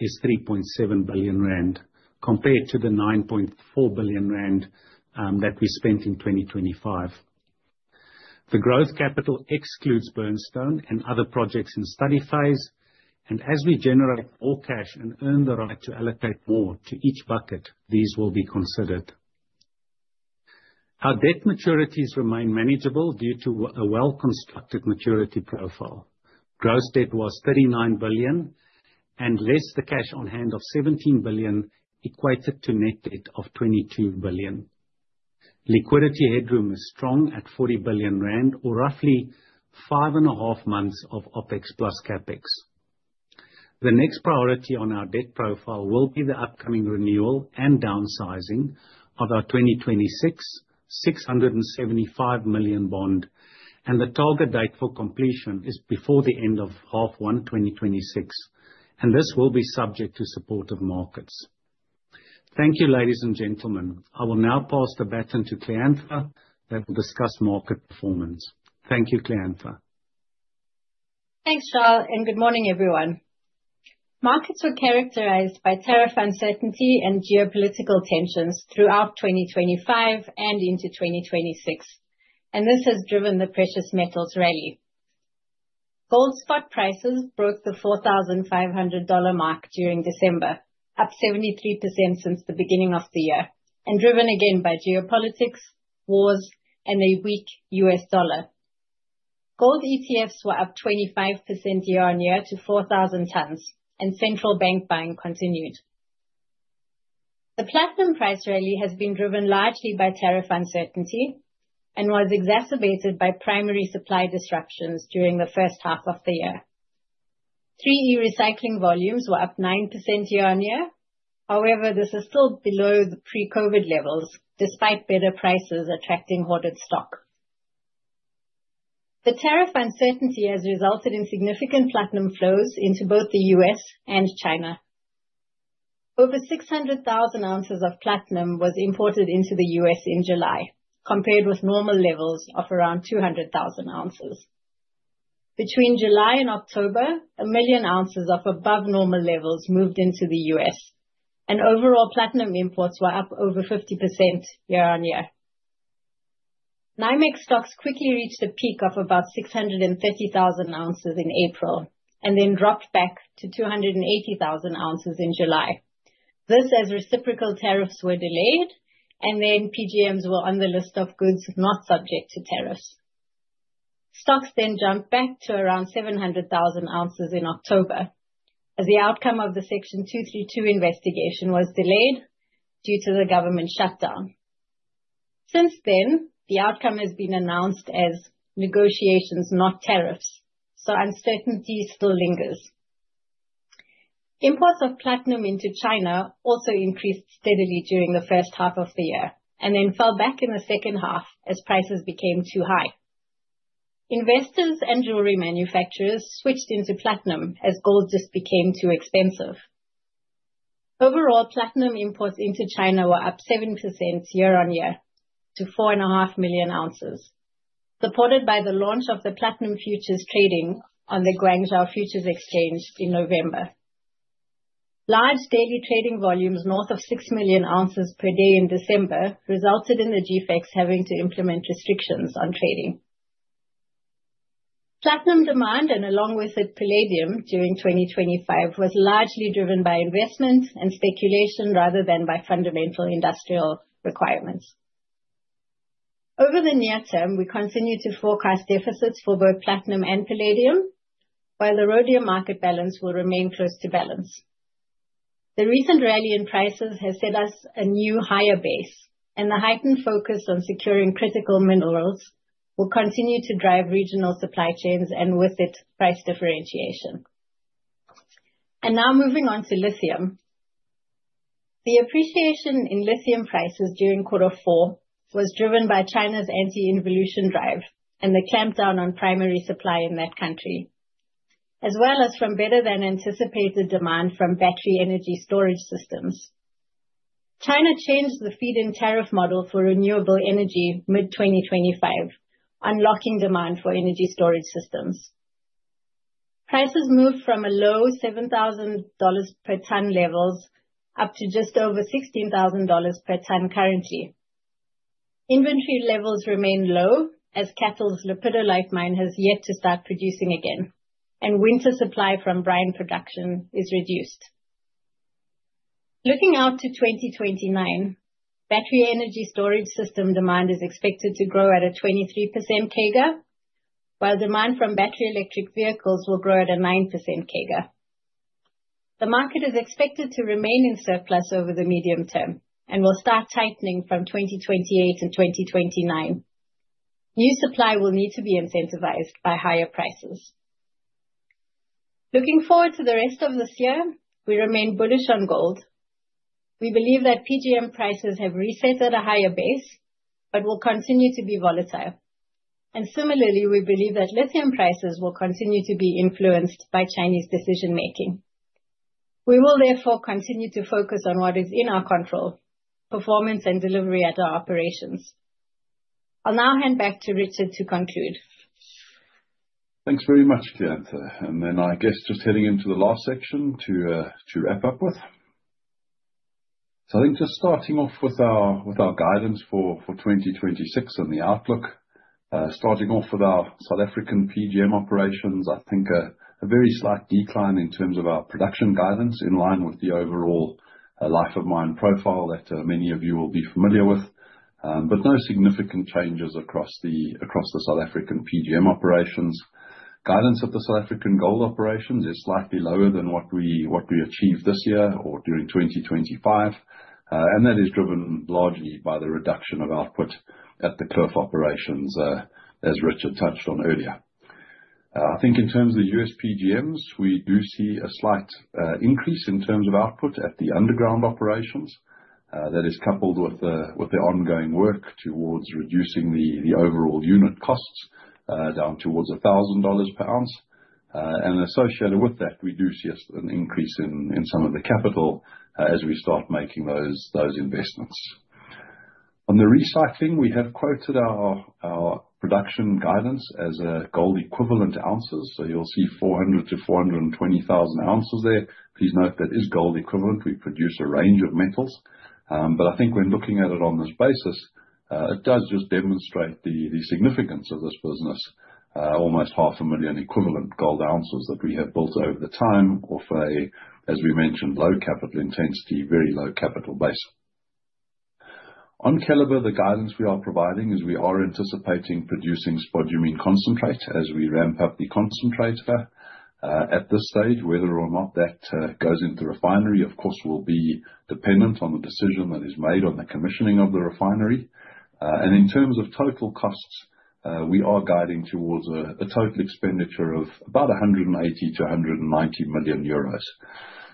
is 3.7 billion rand, compared to the 9.4 billion rand that we spent in 2025. The growth capital excludes Burnstone and other projects in study phase, and as we generate more cash and earn the right to allocate more to each bucket, these will be considered. Our debt maturities remain manageable due to a well-constructed maturity profile. Gross debt was 39 billion, and less the cash on hand of 17 billion, equated to net debt of 22 billion. Liquidity headroom is strong at 40 billion rand, or roughly 5.5 months of OpEx plus CapEx. The next priority on our debt profile will be the upcoming renewal and downsizing of our 2026 675 million bond, and the target date for completion is before the end of H1 2026, and this will be subject to supportive markets. Thank you, ladies and gentlemen. I will now pass the baton to Kleantha, that will discuss market performance. Thank you, Kleantha. Thanks, Charl, and good morning, everyone. Markets were characterized by tariff uncertainty and geopolitical tensions throughout 2025 and into 2026, and this has driven the precious metals rally. Gold spot prices broke the $4,500 mark during December, up 73% since the beginning of the year, and driven again by geopolitics, wars, and a weak U.S. dollar. Gold ETFs were up 25% year-on-year to 4,000 tons, and central bank buying continued. The platinum price rally has been driven largely by tariff uncertainty and was exacerbated by primary supply disruptions during the first half of the year. 3E recycling volumes were up 9% year-on-year. However, this is still below the pre-COVID levels, despite better prices attracting hoarded stock. The tariff uncertainty has resulted in significant platinum flows into both the U.S. and China. Over 600,000 ounces of platinum was imported into the U.S. in July, compared with normal levels of around 200,000 ounces. Between July and October, 1,000,000 ounces of above normal levels moved into the U.S., and overall platinum imports were up over 50% year-over-year. NYMEX stocks quickly reached a peak of about 630,000 ounces in April and then dropped back to 280,000 ounces in July. This, as reciprocal tariffs were delayed, and then PGMs were on the list of goods not subject to tariffs. Stocks then jumped back to around 700,000 ounces in October, as the outcome of the Section 232 investigation was delayed due to the government shutdown. Since then, the outcome has been announced as negotiations, not tariffs, so uncertainty still lingers. Imports of platinum into China also increased steadily during the first half of the year and then fell back in the second half as prices became too high. Investors and jewelry manufacturers switched into platinum as gold just became too expensive. Overall, platinum imports into China were up 7% year-on-year to 4.5 million ounces, supported by the launch of the platinum futures trading on the Guangzhou Futures Exchange in November. Large daily trading volumes, north of 6 million ounces per day in December, resulted in the GFEX having to implement restrictions on trading. Platinum demand, and along with it, palladium during 2025, was largely driven by investment and speculation rather than by fundamental industrial requirements. Over the near term, we continue to forecast deficits for both platinum and palladium, while the rhodium market balance will remain close to balance. The recent rally in prices has set us a new higher base, and the heightened focus on securing critical minerals will continue to drive regional supply chains, and with it, price differentiation. Now moving on to lithium. The appreciation in lithium prices during quarter four was driven by China's anti-involution drive and the clampdown on primary supply in that country, as well as from better-than-anticipated demand from battery energy storage systems. China changed the feed-in tariff model for renewable energy mid-2025, unlocking demand for energy storage systems. Prices moved from a low $7,000 per ton levels up to just over $16,000 per ton currently. Inventory levels remain low, as CATL's lithium mine has yet to start producing again, and winter supply from brine production is reduced. Looking out to 2029, battery energy storage system demand is expected to grow at a 23% CAGR, while demand from battery electric vehicles will grow at a 9% CAGR. The market is expected to remain in surplus over the medium term and will start tightening from 2028 to 2029. New supply will need to be incentivized by higher prices. Looking forward to the rest of this year, we remain bullish on gold. We believe that PGM prices have reset at a higher base, but will continue to be volatile. And similarly, we believe that lithium prices will continue to be influenced by Chinese decision-making. We will therefore continue to focus on what is in our control, performance and delivery at our operations. I'll now hand back to Richard to conclude. Thanks very much, Kleantha. Then I guess just heading into the last section to wrap up with. So I think just starting off with our guidance for 2026 and the outlook. Starting off with our South African PGM operations, I think a very slight decline in terms of our production guidance, in line with the overall life of mine profile that many of you will be familiar with, but no significant changes across the South African PGM operations. Guidance of the South African gold operations is slightly lower than what we achieved this year or during 2025, and that is driven largely by the reduction of output at the Cooke operations, as Richard touched on earlier. I think in terms of the U.S. PGMs, we do see a slight increase in terms of output at the underground operations. That is coupled with the ongoing work towards reducing the overall unit costs down towards $1,000 per ounce. Associated with that, we do see an increase in some of the capital as we start making those investments. On the recycling, we have quoted our production guidance as gold equivalent ounces, so you'll see 400-420,000 ounces there. Please note, that is gold equivalent. We produce a range of metals. I think when looking at it on this basis, it does just demonstrate the significance of this business. Almost 500,000 equivalent gold ounces that we have built over the time, of a, as we mentioned, low capital intensity, very low capital base. On Keliber, the guidance we are providing is we are anticipating producing spodumene concentrate as we ramp up the concentrator. At this stage, whether or not that goes into refinery, of course, will be dependent on the decision that is made on the commissioning of the refinery. And in terms of total costs, we are guiding towards a total expenditure of about 180 million-190 million euros.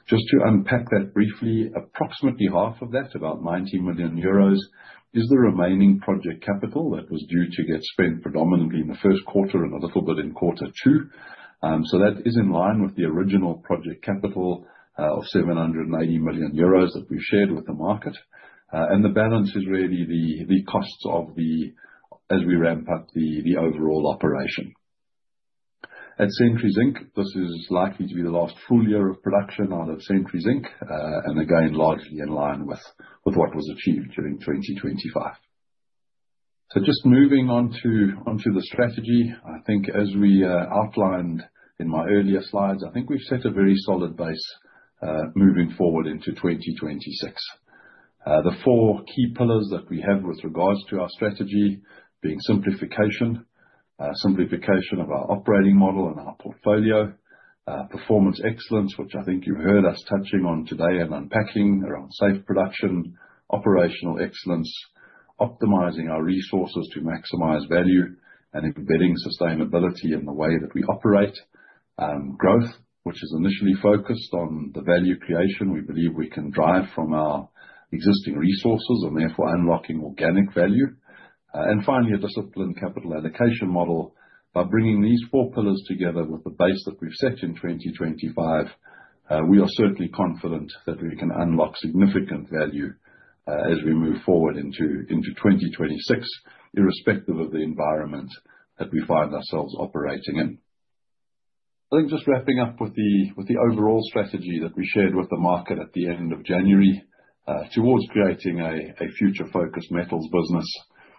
Just to unpack that briefly, approximately half of that, about 90 million euros, is the remaining project capital that was due to get spent predominantly in the first quarter and a little bit in quarter two. So that is in line with the original project capital of 780 million euros that we shared with the market. And the balance is really the costs of the as we ramp up the overall operation. At Century Zinc, this is likely to be the last full year of production out of Century Zinc, and again, largely in line with what was achieved during 2025. So just moving on to the strategy. I think as we outlined in my earlier slides, I think we've set a very solid base, moving forward into 2026. The four key pillars that we have with regards to our strategy, being simplification of our operating model and our portfolio. Performance excellence, which I think you heard us touching on today and unpacking around safe production. Operational excellence, optimizing our resources to maximize value, and embedding sustainability in the way that we operate. Growth, which is initially focused on the value creation we believe we can drive from our existing resources, and therefore unlocking organic value. And finally, a disciplined capital allocation model. By bringing these four pillars together with the base that we've set in 2025, we are certainly confident that we can unlock significant value, as we move forward into 2026, irrespective of the environment that we find ourselves operating in. I think just wrapping up with the overall strategy that we shared with the market at the end of January, towards creating a future-focused metals business.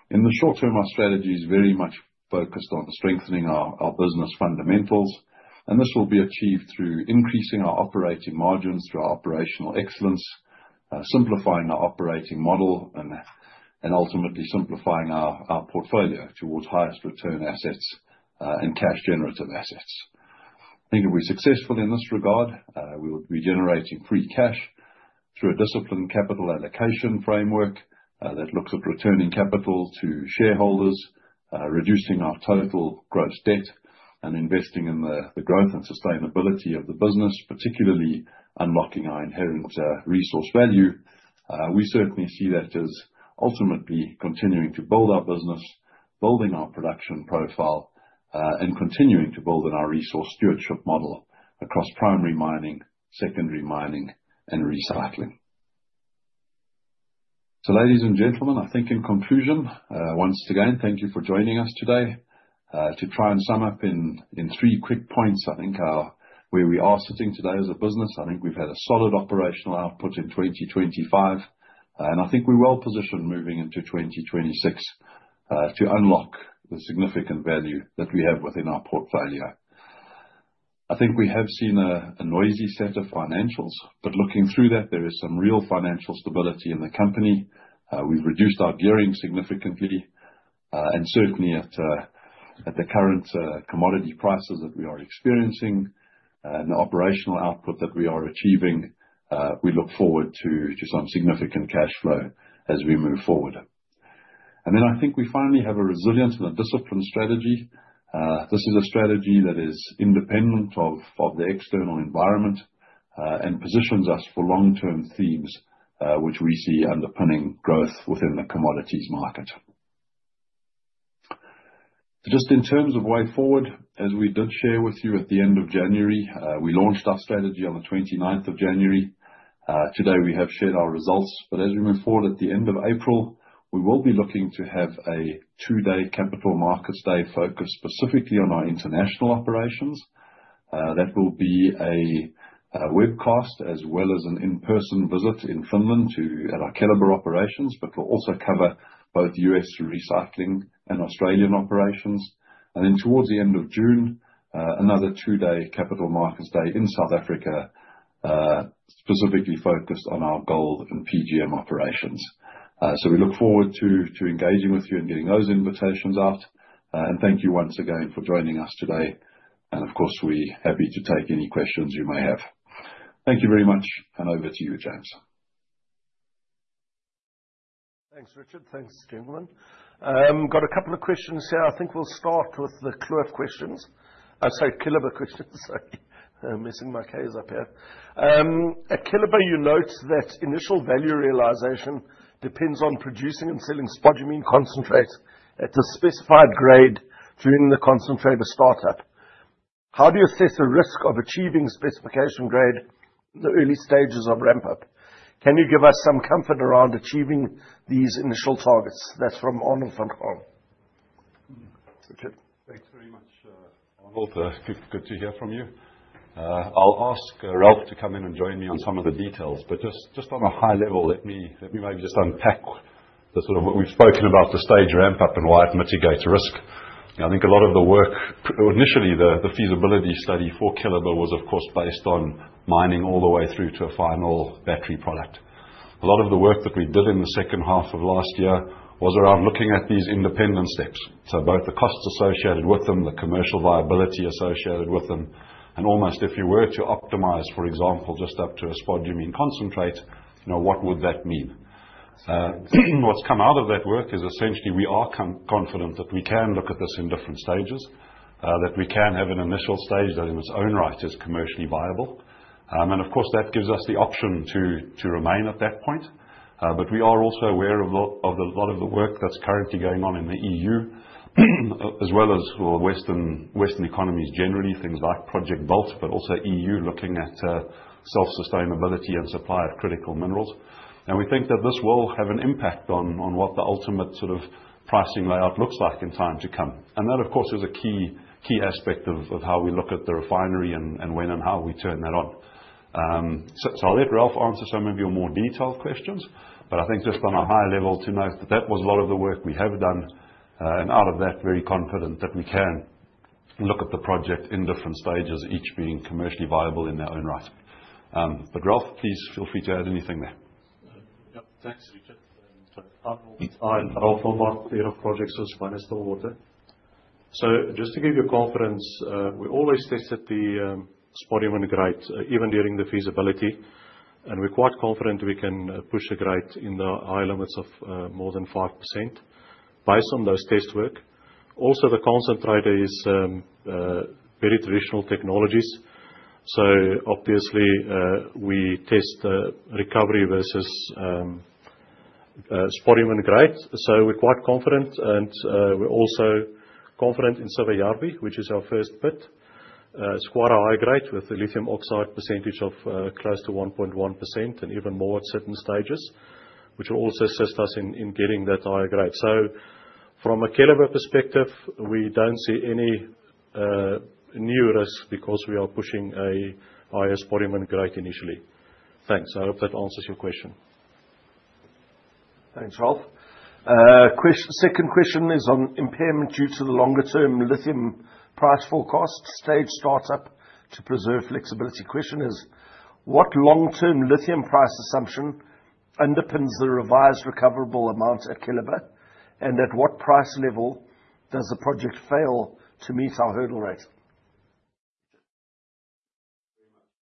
In the short term, our strategy is very much focused on strengthening our business fundamentals, and this will be achieved through increasing our operating margins through our operational excellence, simplifying our operating model, and ultimately simplifying our portfolio towards highest return assets and cash generative assets. I think if we're successful in this regard, we will be generating free cash through a disciplined capital allocation framework that looks at returning capital to shareholders, reducing our total gross debt, and investing in the growth and sustainability of the business, particularly unlocking our inherent resource value. We certainly see that as ultimately continuing to build our business, building our production profile, and continuing to build on our resource stewardship model across primary mining, secondary mining, and recycling. Ladies and gentlemen, I think in conclusion, once again, thank you for joining us today. To try and sum up in three quick points, I think where we are sitting today as a business, I think we've had a solid operational output in 2025, and I think we're well positioned moving into 2026 to unlock the significant value that we have within our portfolio. I think we have seen a noisy set of financials, but looking through that, there is some real financial stability in the company. We've reduced our gearing significantly, and certainly at the current commodity prices that we are experiencing, and the operational output that we are achieving, we look forward to some significant cash flow as we move forward. And then I think we finally have a resilient and a disciplined strategy. This is a strategy that is independent of the external environment and positions us for long-term themes, which we see underpinning growth within the commodities market. Just in terms of way forward, as we did share with you at the end of January, we launched our strategy on the twenty-ninth of January. Today, we have shared our results, but as we move forward at the end of April, we will be looking to have a two-day capital markets day focused specifically on our international operations. That will be a webcast as well as an in-person visit in Finland to our Keliber operations, but will also cover both U.S. recycling and Australian operations. Then towards the end of June, another two-day capital markets day in South Africa, specifically focused on our gold and PGM operations. So we look forward to engaging with you and getting those invitations out. Thank you once again for joining us today. Of course, we're happy to take any questions you may have. Thank you very much, and over to you, James. Thanks, Richard. Thanks, gentlemen. Got a couple of questions here. I think we'll start with the Kloof questions. I'm sorry, Keliber questions, sorry. I'm missing my K's up here. At Keliber, you note that initial value realization depends on producing and selling spodumene concentrate at the specified grade during the concentrator startup. How do you assess the risk of achieving specification grade in the early stages of ramp-up? Can you give us some comfort around achieving these initial targets? That's from Arnold van Graan. Thanks very much, Arnold. Good, good to hear from you. I'll ask Ralph to come in and join me on some of the details, but just, just on a high level, let me, let me maybe just unpack the sort of what we've spoken about the stage ramp-up and why it mitigates risk. I think a lot of the work, initially, the feasibility study for Keliber was, of course, based on mining all the way through to a final battery product. A lot of the work that we did in the second half of last year was around looking at these independent steps, so both the costs associated with them, the commercial viability associated with them, and almost if you were to optimize, for example, just up to a spodumene concentrate, you know, what would that mean? What's come out of that work is essentially we are confident that we can look at this in different stages. That we can have an initial stage that in its own right is commercially viable. And of course, that gives us the option to remain at that point. But we are also aware of a lot of the work that's currently going on in the EU, as well as for Western economies, generally, things like Project Belt, but also EU looking at self-sustainability and supply of critical minerals. And we think that this will have an impact on what the ultimate sort of pricing layout looks like in time to come. And that, of course, is a key aspect of how we look at the refinery and when and how we turn that on. So I'll let Ralph answer some of your more detailed questions, but I think just on a high level, to note that that was a lot of the work we have done, and out of that, very confident that we can look at the project in different stages, each being commercially viable in their own right. But Ralph, please feel free to add anything there. Yeah, thanks, Richard. So Ralph Memory, Head of Projects as well as Water. So just to give you confidence, we always tested the spodumene grade, even during the feasibility, and we're quite confident we can push the grade in the high limits of more than 5% based on those test work. Also, the concentrator is very traditional technologies, so obviously we test the recovery versus spodumene grade. So we're quite confident and we're also confident in Syväjärvi, which is our first pit. It's quite a high grade with the lithium oxide percentage of close to 1.1%, and even more at certain stages, which will also assist us in getting that higher grade. So from a Keliber perspective, we don't see any new risk because we are pushing a higher spodumene grade initially. Thanks. I hope that answers your question. Thanks, Ralph. Second question is on impairment due to the longer-term lithium price forecast, stage startup to preserve flexibility. Question is, what long-term lithium price assumption underpins the revised recoverable amounts at Keliber, and at what price level does the project fail to meet our hurdle rate?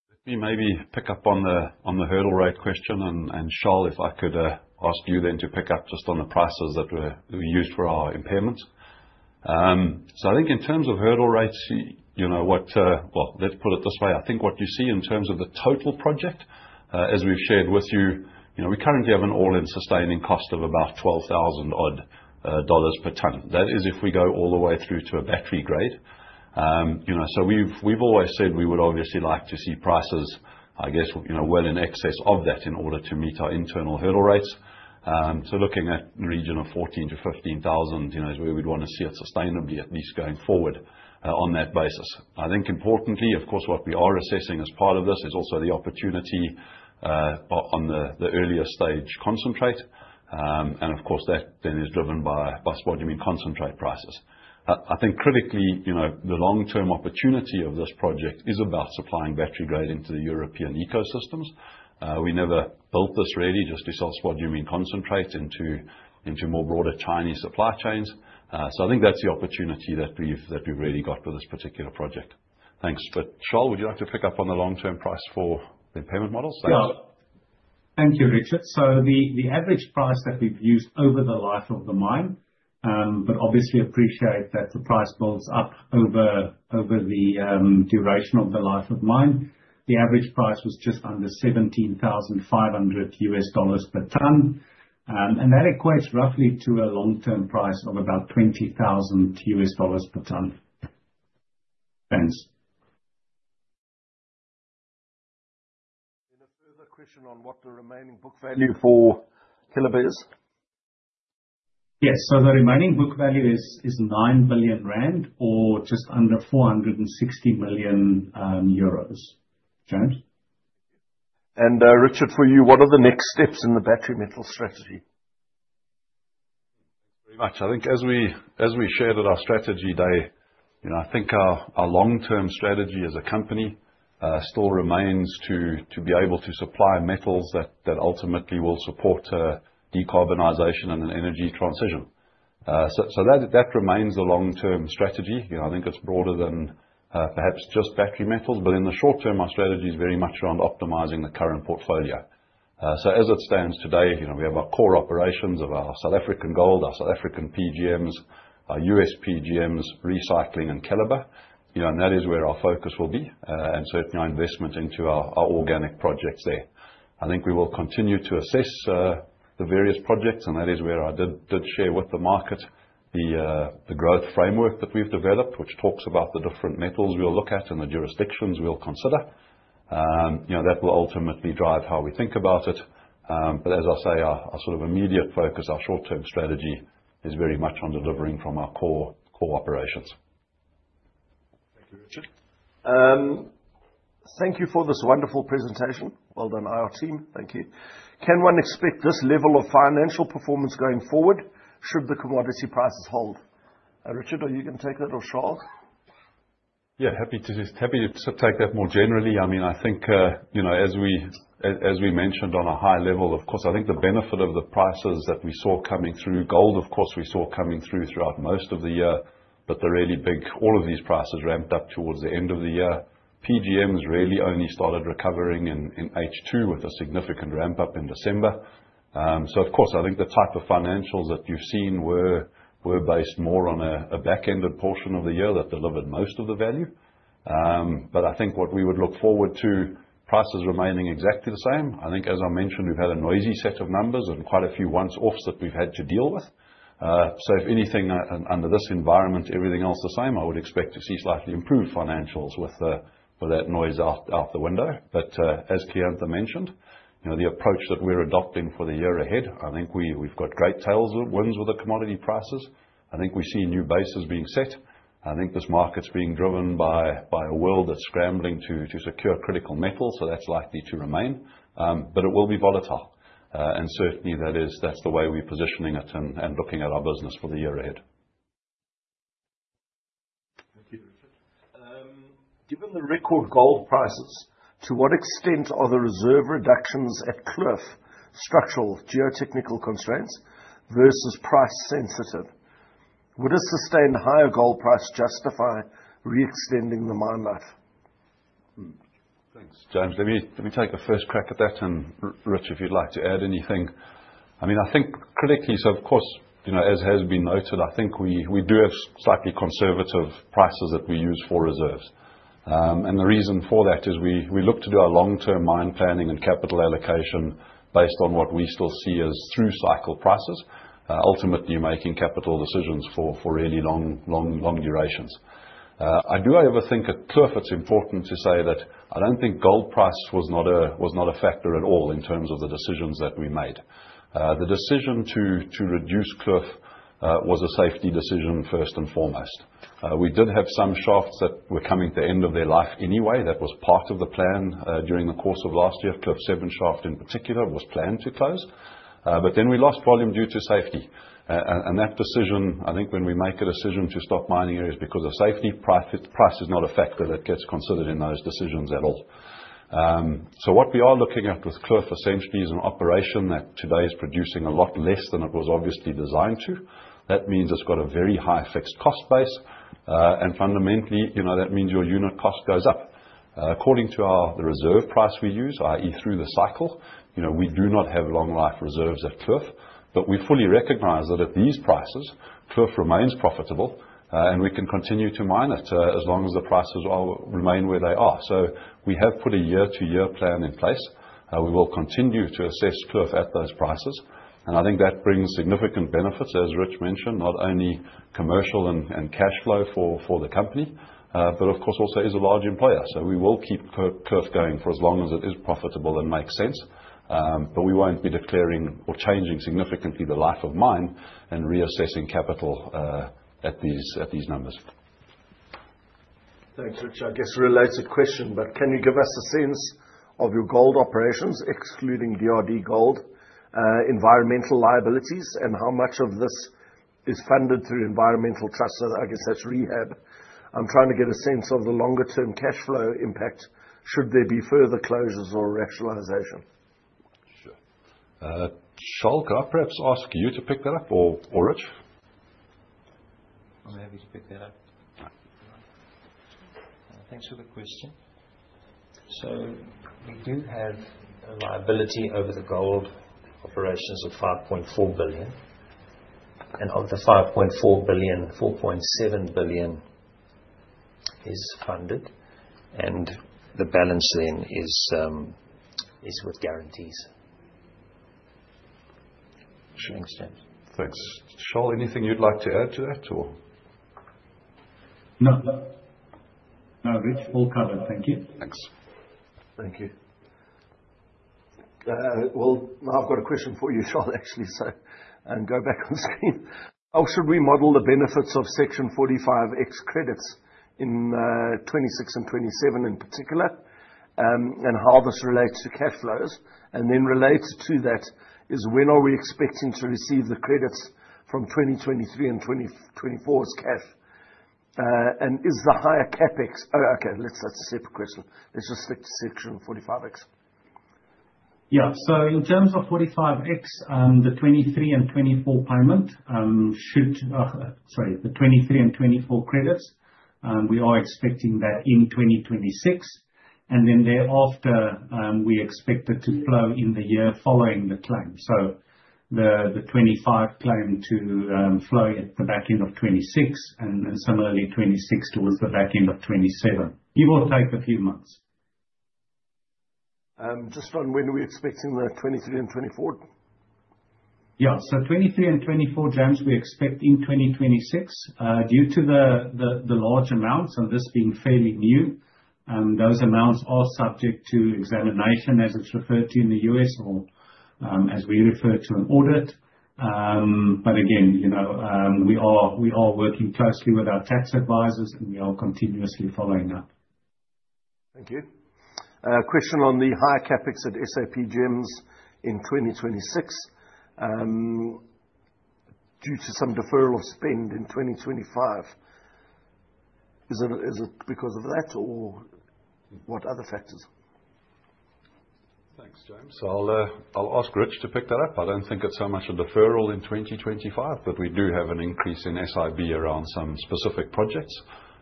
Let me maybe pick up on the hurdle rate question, and Charl, if I could ask you then to pick up just on the prices that we used for our impairments. So I think in terms of hurdle rates, you know, well, let's put it this way, I think what you see in terms of the total project, as we've shared with you, you know, we currently have an all-in sustaining cost of about $12,000 per ton. That is, if we go all the way through to a battery grade. You know, so we've always said we would obviously like to see prices, I guess, you know, well in excess of that in order to meet our internal hurdle rates. So looking at a region of 14-15 thousand, you know, is where we'd want to see it sustainably, at least going forward, on that basis. I think importantly, of course, what we are assessing as part of this is also the opportunity on the earlier stage concentrate. And of course, that then is driven by spodumene concentrate prices. I think critically, you know, the long-term opportunity of this project is about supplying battery-grade into the European ecosystems. We never built this really just to sell spodumene concentrate into more broader Chinese supply chains. So I think that's the opportunity that we've really got for this particular project. Thanks. But Charl, would you like to pick up on the long-term price for the impairment model? Yeah. Thank you, Richard. So the average price that we've used over the life of the mine, but obviously appreciate that the price builds up over the duration of the life of mine. The average price was just under $17,500 per ton, and that equates roughly to a long-term price of about $20,000 per ton. Thanks. A further question on what the remaining book value for Keliber is? Yes. So the remaining book value is 9 billion rand, or just under 460 million euros. James? Richard, for you, what are the next steps in the battery metal strategy? Thanks very much. I think as we shared at our strategy day, you know, I think our long-term strategy as a company still remains to be able to supply metals that ultimately will support decarbonization and an energy transition. So that remains the long-term strategy. You know, I think it's broader than perhaps just battery metals, but in the short term, our strategy is very much around optimizing the current portfolio. So as it stands today, you know, we have our core operations of our South African gold, our South African PGMs, our US PGMs, recycling and Keliber. You know, and that is where our focus will be, and certainly our investment into our organic projects there. I think we will continue to assess the various projects, and that is where I did share with the market the growth framework that we've developed, which talks about the different metals we'll look at and the jurisdictions we'll consider. You know, that will ultimately drive how we think about it. But as I say, our sort of immediate focus, our short-term strategy, is very much on delivering from our core operations. Thank you, Richard. Thank you for this wonderful presentation. Well done, IR team. Thank you. Can one expect this level of financial performance going forward, should the commodity prices hold? Richard, are you gonna take that, or Charl? Yeah, happy to sort of take that more generally. I mean, I think, you know, as we mentioned on a high level, of course, I think the benefit of the prices that we saw coming through, gold, of course, we saw coming through throughout most of the year, but the really big... All of these prices ramped up towards the end of the year. PGMs really only started recovering in H2, with a significant ramp-up in December. So of course, I think the type of financials that you've seen were based more on a back-ended portion of the year that delivered most of the value. But I think what we would look forward to, prices remaining exactly the same. I think, as I mentioned, we've had a noisy set of numbers and quite a few once-offs that we've had to deal with. So if anything, under this environment, everything else the same, I would expect to see slightly improved financials with that noise out the window. But as then I mentioned, you know, the approach that we're adopting for the year ahead, I think we've got great tailwinds with the commodity prices. I think we've seen new bases being set. I think this market's being driven by a world that's scrambling to secure critical metals, so that's likely to remain. But it will be volatile, and certainly that's the way we're positioning it and looking at our business for the year ahead. Thank you, Richard. Given the record gold prices, to what extent are the reserve reductions at Kloof structural geotechnical constraints versus price sensitive? Would a sustained higher gold price justify re-extending the mine life? Thanks, James. Let me take a first crack at that, and Rich, if you'd like to add anything. I mean, I think critically, so of course, you know, as has been noted, I think we do have slightly conservative prices that we use for reserves. And the reason for that is we look to do our long-term mine planning and capital allocation based on what we still see as through-cycle prices, ultimately making capital decisions for really long, long, long durations. I do however think at Kloof it's important to say that I don't think gold price was not a, was not a factor at all in terms of the decisions that we made. The decision to reduce Kloof was a safety decision first and foremost. We did have some shafts that were coming to the end of their life anyway. That was part of the plan during the course of last year. Kloof 7 shaft, in particular, was planned to close. But then we lost volume due to safety. And that decision, I think when we make a decision to stop mining, it is because of safety. Price, price is not a factor that gets considered in those decisions at all. So what we are looking at with Kloof, essentially, is an operation that today is producing a lot less than it was obviously designed to. That means it's got a very high fixed cost base, and fundamentally, you know, that means your unit cost goes up. According to our, the reserve price we use, i.e., through the cycle, you know, we do not have long life reserves at Kloof. But we fully recognize that at these prices, Kloof remains profitable, and we can continue to mine it, as long as the prices are, remain where they are. So we have put a year-to-year plan in place. We will continue to assess Kloof at those prices, and I think that brings significant benefits, as Rich mentioned, not only commercial and, and cashflow for, for the company, but of course, also is a large employer. So we will keep Kloof going for as long as it is profitable and makes sense, but we won't be declaring or changing significantly the life of mine and reassessing capital, at these, at these numbers. Thanks, Richard. I guess a related question, but can you give us a sense of your gold operations, excluding DRDGOLD, environmental liabilities, and how much of this is funded through environmental trusts, so I guess that's rehab? I'm trying to get a sense of the longer-term cashflow impact, should there be further closures or rationalization. Sure. Charl, can I perhaps ask you to pick that up, or, or Rich? I'm happy to pick that up. Thanks for the question. So we do have a liability over the gold operations of 5.4 billion, and of the 5.4 billion, 4.7 billion is funded, and the balance then is with guarantees. Should extend. Thanks. Charl, anything you'd like to add to that, or? No. No, Rich, all covered. Thank you. Thanks. Thank you. Well, now I've got a question for you, Charl, actually, so, go back on screen. How should we model the benefits of Section 45X credits in 2026 and 2027 in particular, and how this relates to cash flows? And then related to that is, when are we expecting to receive the credits from 2023 and 2024's cash, and is the higher CapEx - Oh, okay, let's that's a separate question. Let's just stick to Section 45X. Yeah, so in terms of 45X, the 2023 and 2024 credits, we are expecting that in 2026, and then thereafter, we expect it to flow in the year following the claim. So the 2025 claim to flow at the back end of '26, and then similarly, 2026 towards the back end of 2027, give or take a few months. Just on when are we expecting the 2023 and 2024? Yeah. So 23 and 24 gems, we expect in 2026. Due to the large amounts of this being fairly new, those amounts are subject to examination, as it's referred to in the U.S., or as we refer to an audit. But again, you know, we are, we are working closely with our tax advisors, and we are continuously following up. Thank you. Question on the higher CapEx at SA PGMs in 2026, due to some deferral of spend in 2025. Is it because of that, or what other factors? Thanks, James. So I'll, I'll ask Rich to pick that up. I don't think it's so much a deferral in 2025, but we do have an increase in SIB around some specific projects.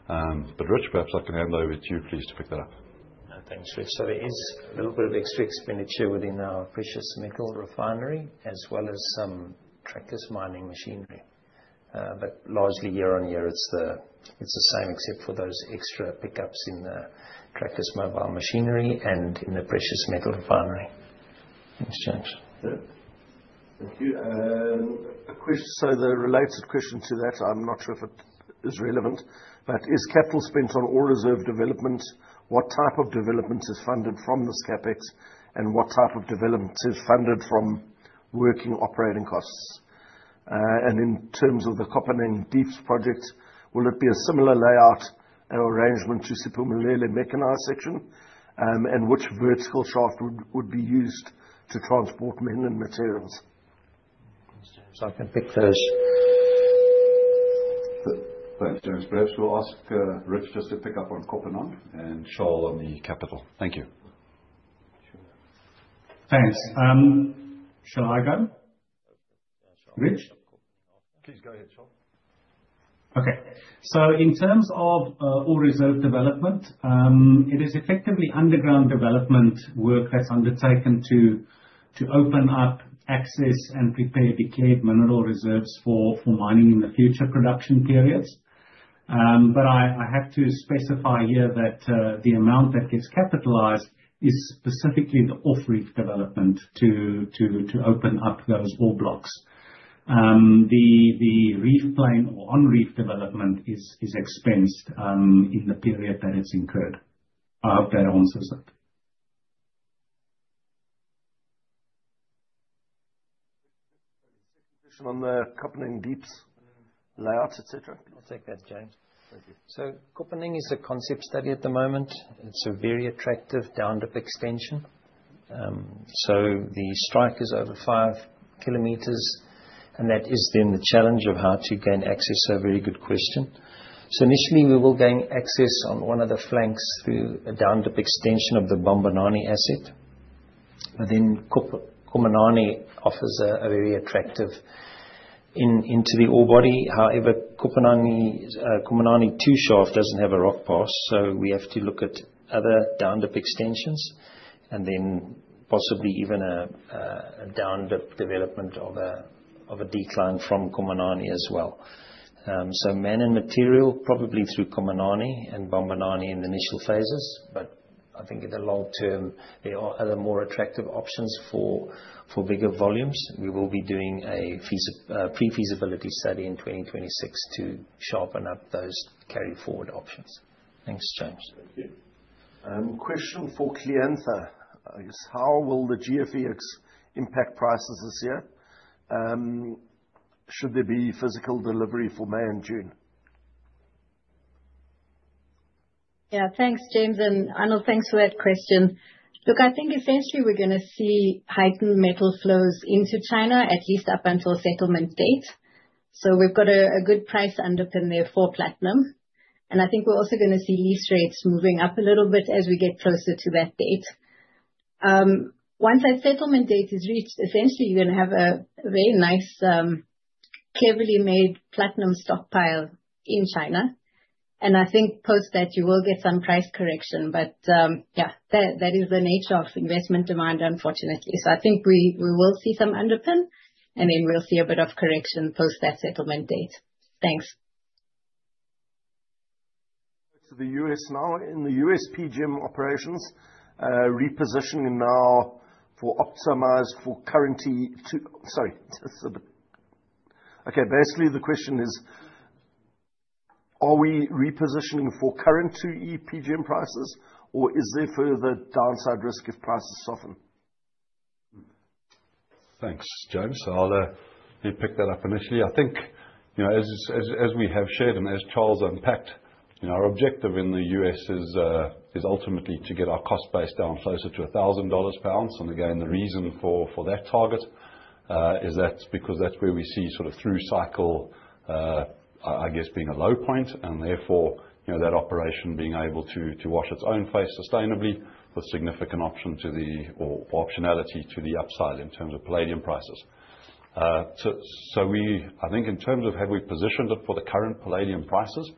But Rich, perhaps I can hand over to you, please, to pick that up. Thanks, Rich. So there is a little bit of extra expenditure within our precious metal refinery, as well as some trackless mining machinery. But largely, year-on-year, it's the same, except for those extra pickups in the trackless mobile machinery and in the precious metal refinery. Thanks, James. Thank you. So the related question to that, I'm not sure if it is relevant, but is capital spent on ore reserve development? What type of development is funded from this CapEx, and what type of development is funded from working operating costs? And in terms of the Kopanang Deeps project, will it be a similar layout and arrangement to Siphumelele mechanized section? And which vertical shaft would be used to transport men and materials? I can pick those. Thanks, James. Perhaps we'll ask, Rich just to pick up on Kopanang and Charl on the capital. Thank you. Thanks. Shall I go? Rich? Please go ahead, Charl. Okay. So in terms of ore reserve development, it is effectively underground development work that's undertaken to open up access and prepare declared mineral reserves for mining in the future production periods. But I have to specify here that the amount that gets capitalized is specifically the off-reef development to open up those ore blocks. The reef plane or on-reef development is expensed in the period that it's incurred. I hope that answers it. On the Kopanang Deeps layouts, et cetera. I'll take that, James. Thank you. So Kopanang is a concept study at the moment. It's a very attractive down-dip extension. So the strike is over five kilometers, and that is then the challenge of how to gain access, so very good question. So initially, we will gain access on one of the flanks through a down-dip extension of the Bambanani asset. But then Kopanang offers a very attractive into the ore body. However, Kopanang 2 shaft doesn't have a rock pass, so we have to look at other down-dip extensions, and then possibly even a down-dip development of a decline from Kopanang as well. So men and material, probably through Kopanang and Bambanani in the initial phases, but I think in the long term, there are other more attractive options for bigger volumes. We will be doing a pre-feasibility study in 2026 to sharpen up those carry-forward options. Thanks, James. Thank you. Question for Kleantha. Is how will the GFEX impact prices this year, should there be physical delivery for May and June? Yeah. Thanks, James, and Arnold, thanks for that question. Look, I think essentially we're gonna see heightened metal flows into China, at least up until settlement date. So we've got a good price underpin there for platinum. And I think we're also gonna see lease rates moving up a little bit as we get closer to that date. Once that settlement date is reached, essentially, you're gonna have a very nice, carefully made platinum stockpile in China. And I think post that, you will get some price correction, but, yeah, that is the nature of investment demand, unfortunately. So I think we will see some underpin, and then we'll see a bit of correction post that settlement date. Thanks. To the U.S. now. In the U.S., PGM operations, repositioning now for optimize for current 2E PGM prices. Sorry, just a bit. Okay, basically the question is: Are we repositioning for current 2E PGM prices, or is there further downside risk if prices soften? Thanks, James. So I'll maybe pick that up initially. I think, you know, as we have shared, and as Charles unpacked, you know, our objective in the U.S. is ultimately to get our cost base down closer to $1,000 per ounce. And again, the reason for that target-... is that's because that's where we see sort of through cycle, I guess, being a low point, and therefore, you know, that operation being able to watch its own place sustainably with significant option to the... or optionality to the upside, in terms of palladium prices. So, I think in terms of have we positioned it for the current palladium prices, you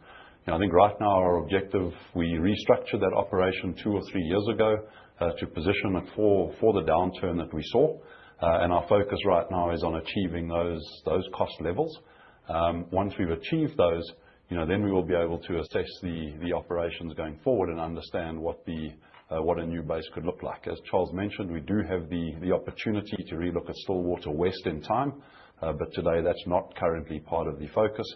know, I think right now our objective, we restructured that operation two or three years ago, to position it for the downturn that we saw. And our focus right now is on achieving those cost levels. Once we've achieved those, you know, then we will be able to assess the operations going forward, and understand what the what a new base could look like. As Charles mentioned, we do have the opportunity to relook at Stillwater West in time, but today that's not currently part of the focus.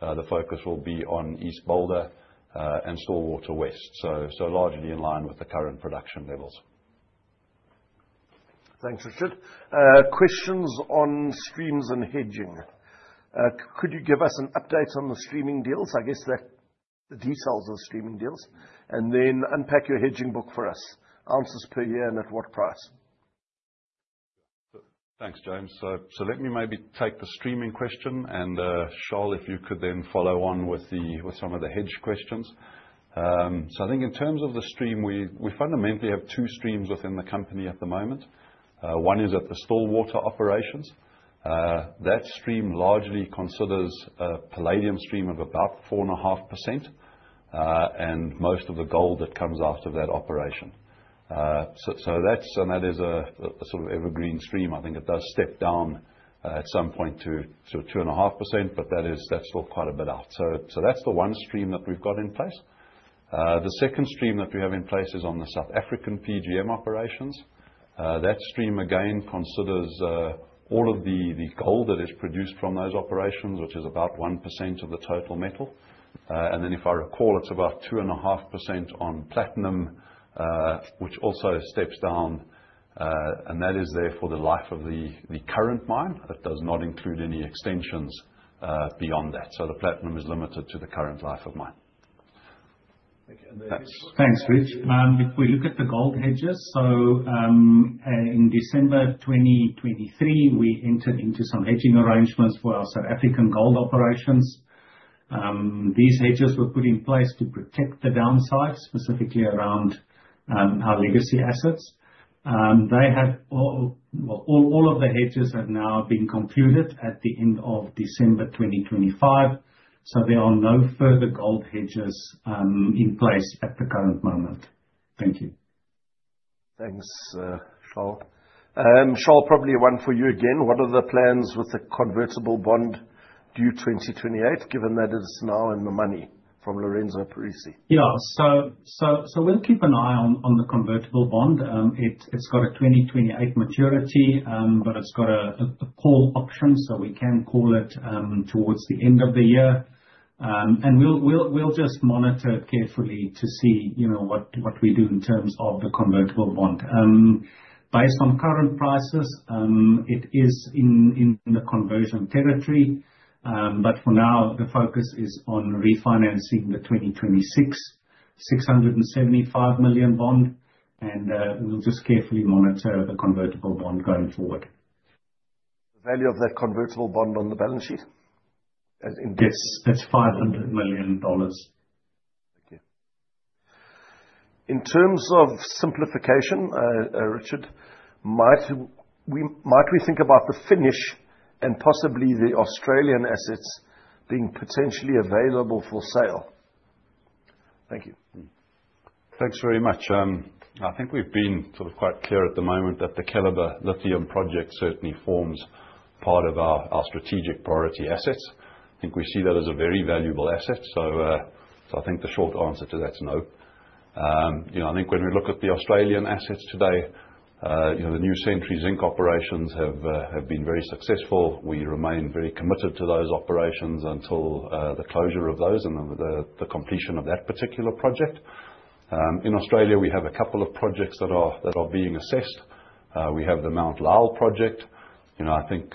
The focus will be on East Boulder and Stillwater West, so largely in line with the current production levels. Thanks, Richard. Questions on streams and hedging. Could you give us an update on the streaming deals? I guess that details of the streaming deals. And then unpack your hedging book for us, ounces per year, and at what price. Thanks, James. So let me maybe take the streaming question, and Charl, if you could then follow on with some of the hedge questions. So I think in terms of the stream, we fundamentally have two streams within the company at the moment. One is at the Stillwater operations. That stream largely considers a palladium stream of about 4.5%, and most of the gold that comes out of that operation. So that's, and that is a sort of evergreen stream. I think it does step down at some point to sort of 2.5%, but that is, that's still quite a bit out. So that's the one stream that we've got in place. The second stream that we have in place is on the South African PGM operations. That stream, again, considers all of the gold that is produced from those operations, which is about 1% of the total metal. Then if I recall, it's about 2.5% on platinum, which also steps down, and that is there for the life of the current mine. That does not include any extensions beyond that. The platinum is limited to the current life of mine. Thanks, Rich. If we look at the gold hedges, in December 2023, we entered into some hedging arrangements for our South African gold operations. These hedges were put in place to protect the downside, specifically around our legacy assets. They have all been concluded at the end of December 2025, so there are no further gold hedges in place at the current moment. Thank you. Thanks, Charl. Charl, probably one for you again. What are the plans with the convertible bond due 2028, given that it's now in the money, from Lorenzo Parisi? Yeah. So we'll keep an eye on the convertible bond. It's got a 2028 maturity, but it's got a call option, so we can call it towards the end of the year. And we'll just monitor it carefully to see, you know, what we do in terms of the convertible bond. Based on current prices, it is in the conversion territory, but for now, the focus is on refinancing the 2026 $675 million bond, and we'll just carefully monitor the convertible bond going forward. The value of that convertible bond on the balance sheet. Yes, that's $500 million. Thank you. In terms of simplification, Richard, might we think about the Finnish and possibly the Australian assets being potentially available for sale? Thank you. Thanks very much. I think we've been sort of quite clear at the moment that the Keliber Lithium project certainly forms part of our, our strategic priority assets. I think we see that as a very valuable asset. So, I think the short answer to that is no. You know, I think when we look at the Australian assets today, you know, the New Century Zinc operations have have been very successful. We remain very committed to those operations until the closure of those and then the, the completion of that particular project. In Australia, we have a couple of projects that are that are being assessed. We have the Mount Lyell project. You know, I think,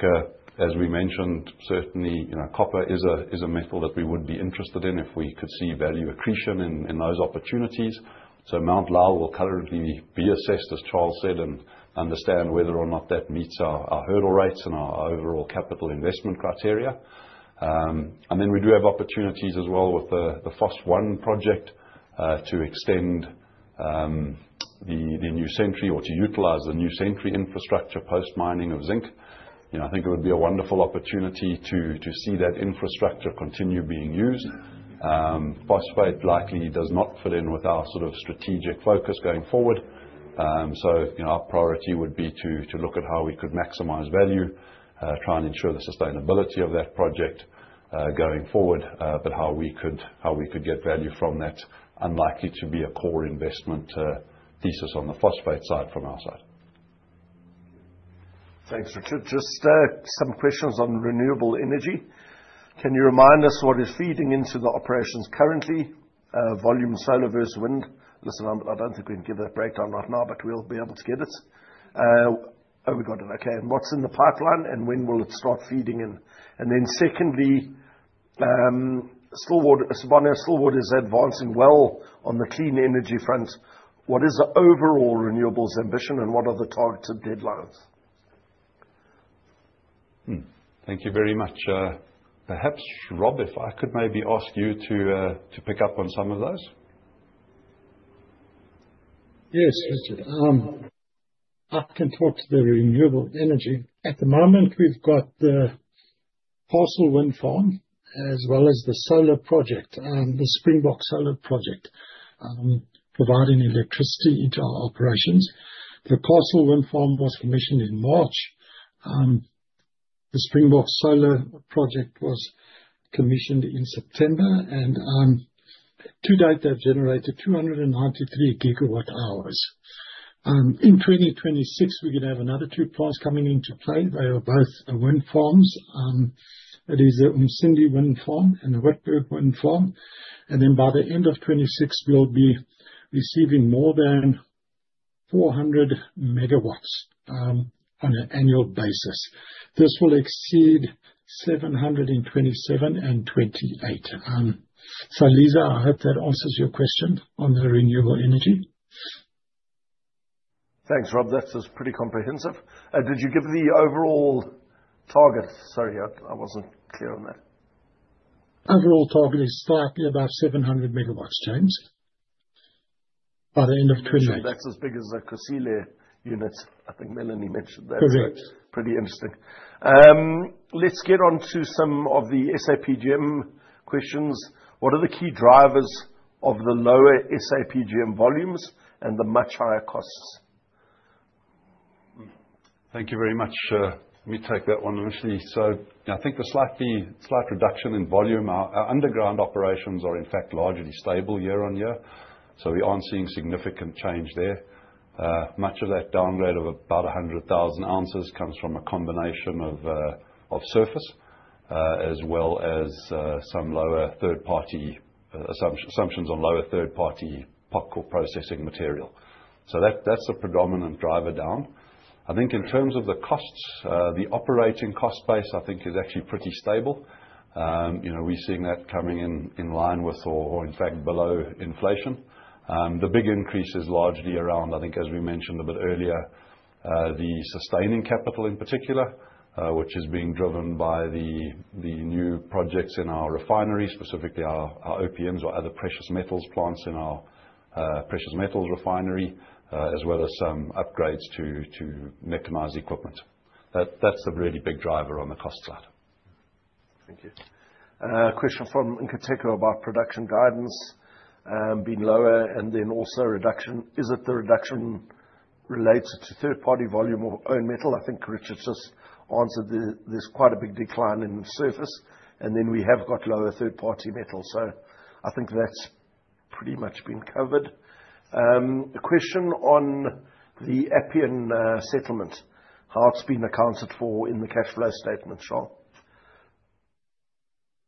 as we mentioned, certainly, you know, copper is a, is a metal that we would be interested in if we could see value accretion in, in those opportunities. So Mount Lyell will currently be assessed, as Charles said, and understand whether or not that meets our, our hurdle rates and our overall capital investment criteria. And then we do have opportunities as well with the, the phase I project, to extend, the, the New Century or to utilize the New Century infrastructure post-mining of zinc. You know, I think it would be a wonderful opportunity to, to see that infrastructure continue being used. Phosphate likely does not fit in with our sort of strategic focus going forward. So, you know, our priority would be to look at how we could maximize value, try and ensure the sustainability of that project going forward, but how we could get value from that unlikely to be a core investment thesis on the phosphate side from our side. Thanks, Richard. Just some questions on renewable energy. Can you remind us what is feeding into the operations currently, volume solar versus wind? Listen, I don't think we can give that breakdown right now, but we'll be able to get it. Oh, we got it. Okay. And what's in the pipeline, and when will it start feeding in? And then secondly stillwater, Sibanye-Stillwater is advancing well on the clean energy front. What is the overall renewables ambition, and what are the targets and deadlines? Thank you very much. Perhaps, Rob, if I could maybe ask you to pick up on some of those? Yes, Richard. I can talk to the renewable energy. At the moment, we've got the Paarl Wind Farm, as well as the solar project, the Springbok Solar Project, providing electricity into our operations. The Paarl Wind Farm was commissioned in March. The Springbok Solar Project was commissioned in September, and, to date, they've generated 293 gigawatt hours. In 2026, we're gonna have another two plants coming into play. They are both wind farms. That is the Umsinde Wind Farm and the Witberg Wind Farm. And then by the end of 2026, we'll be receiving more than 400 megawatts, on an annual basis. This will exceed 727 and 728. So Lisa, I hope that answers your question on the renewable energy. Thanks, Rob. That's just pretty comprehensive. Did you give the overall target? Sorry, I, I wasn't clear on that. Overall target is slightly about 700 megawatts, James, by the end of 2028. That's as big as a Kosi Bay unit. I think Melanie mentioned that. Correct. Pretty interesting. Let's get on to some of the SAPGM questions. What are the key drivers of the lower SAPGM volumes and the much higher costs? Thank you very much. Let me take that one initially. So I think the slight reduction in volume, our underground operations are, in fact, largely stable year-on-year, so we aren't seeing significant change there. Much of that downgrade of about 100,000oz comes from a combination of surface, as well as some lower third-party assumptions on lower third-party pop-up processing material. So that, that's the predominant driver down. I think in terms of the costs, the operating cost base, I think is actually pretty stable. You know, we're seeing that coming in line with or, in fact, below inflation. The big increase is largely around, I think, as we mentioned a bit earlier, the sustaining capital in particular, which is being driven by the new projects in our refinery, specifically our OPMs, or other precious metals plants in our precious metals refinery, as well as some upgrades to mechanize equipment. That's a really big driver on the cost side. Thank you. A question from Nkateko about production guidance being lower and then also reduction. Is it the reduction related to third-party volume or own metal? I think Richard just answered. There's quite a big decline in the surface, and then we have got lower third-party metal, so I think that's pretty much been covered. A question on the Appian settlement, how it's been accounted for in the cash flow statement, Sean.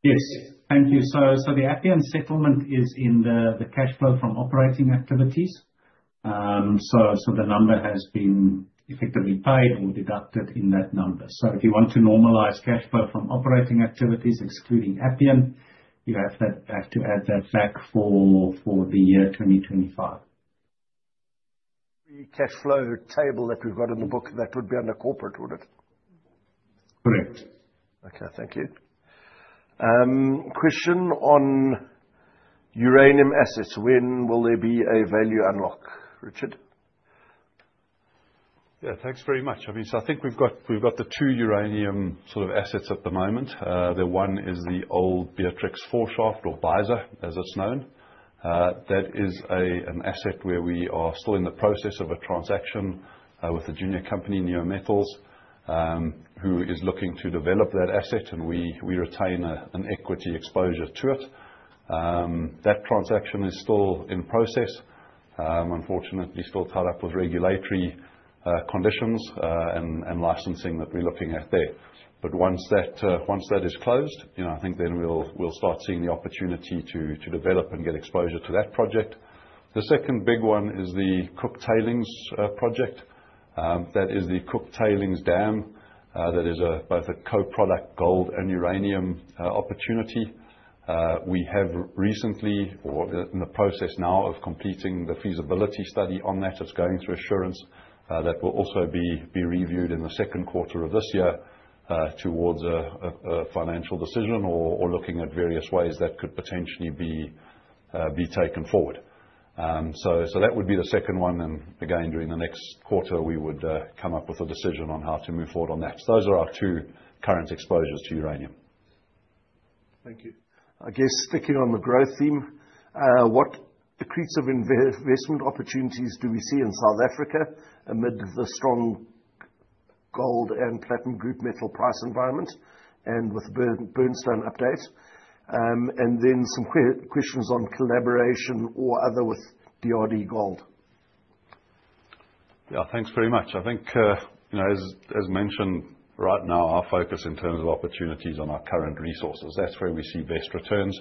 Yes. Thank you. So the Appian settlement is in the cash flow from operating activities. So the number has been effectively paid or deducted in that number. So if you want to normalize cash flow from operating activities excluding Appian, you have to add that back for the year 2025. The cash flow table that we've got in the book, that would be under corporate, would it? Correct. Okay. Thank you. Question on uranium assets, when will there be a value unlock, Richard? Yeah, thanks very much. I mean, so I think we've got, we've got the two uranium sort of assets at the moment. The one is the old Beatrix 4 Shaft or Beisa, as it's known. That is a, an asset where we are still in the process of a transaction, with a junior company, Neometals, who is looking to develop that asset, and we, we retain a, an equity exposure to it. That transaction is still in process. Unfortunately, still caught up with regulatory, conditions, and, and licensing that we're looking at there. But once that, once that is closed, you know, I think then we'll, we'll start seeing the opportunity to, to develop and get exposure to that project. The second big one is the Cooke Tailings, project. That is the Cooke Tailings dam. That is both a co-product, gold and uranium, opportunity. We have recently, or we're in the process now of completing the feasibility study on that. It's going through assurance. That will also be reviewed in the second quarter of this year, towards a financial decision or looking at various ways that could potentially be taken forward. So that would be the second one, and again, during the next quarter, we would come up with a decision on how to move forward on that. So those are our two current exposures to uranium. Thank you. I guess sticking on the growth theme, what degrees of investment opportunities do we see in South Africa amid the strong gold and platinum group metal price environment, and with Burnstone update? And then some questions on collaboration or other with DRDGOLD. Yeah. Thanks very much. I think, you know, as mentioned, right now, our focus in terms of opportunities on our current resources, that's where we see best returns.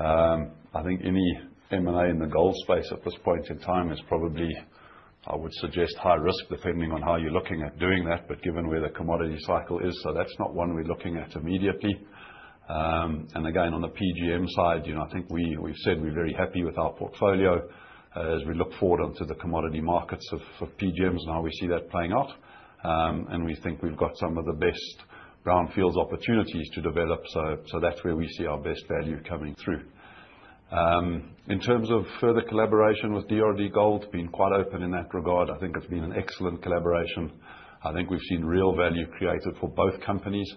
I think any M&A in the gold space at this point in time is probably, I would suggest, high risk, depending on how you're looking at doing that, but given where the commodity cycle is, so that's not one we're looking at immediately. And again, on the PGM side, you know, I think we've said we're very happy with our portfolio, as we look forward onto the commodity markets for PGMs and how we see that playing out. And we think we've got some of the best brownfields opportunities to develop, so that's where we see our best value coming through. In terms of further collaboration with DRDGold, been quite open in that regard. I think it's been an excellent collaboration. I think we've seen real value created for both companies.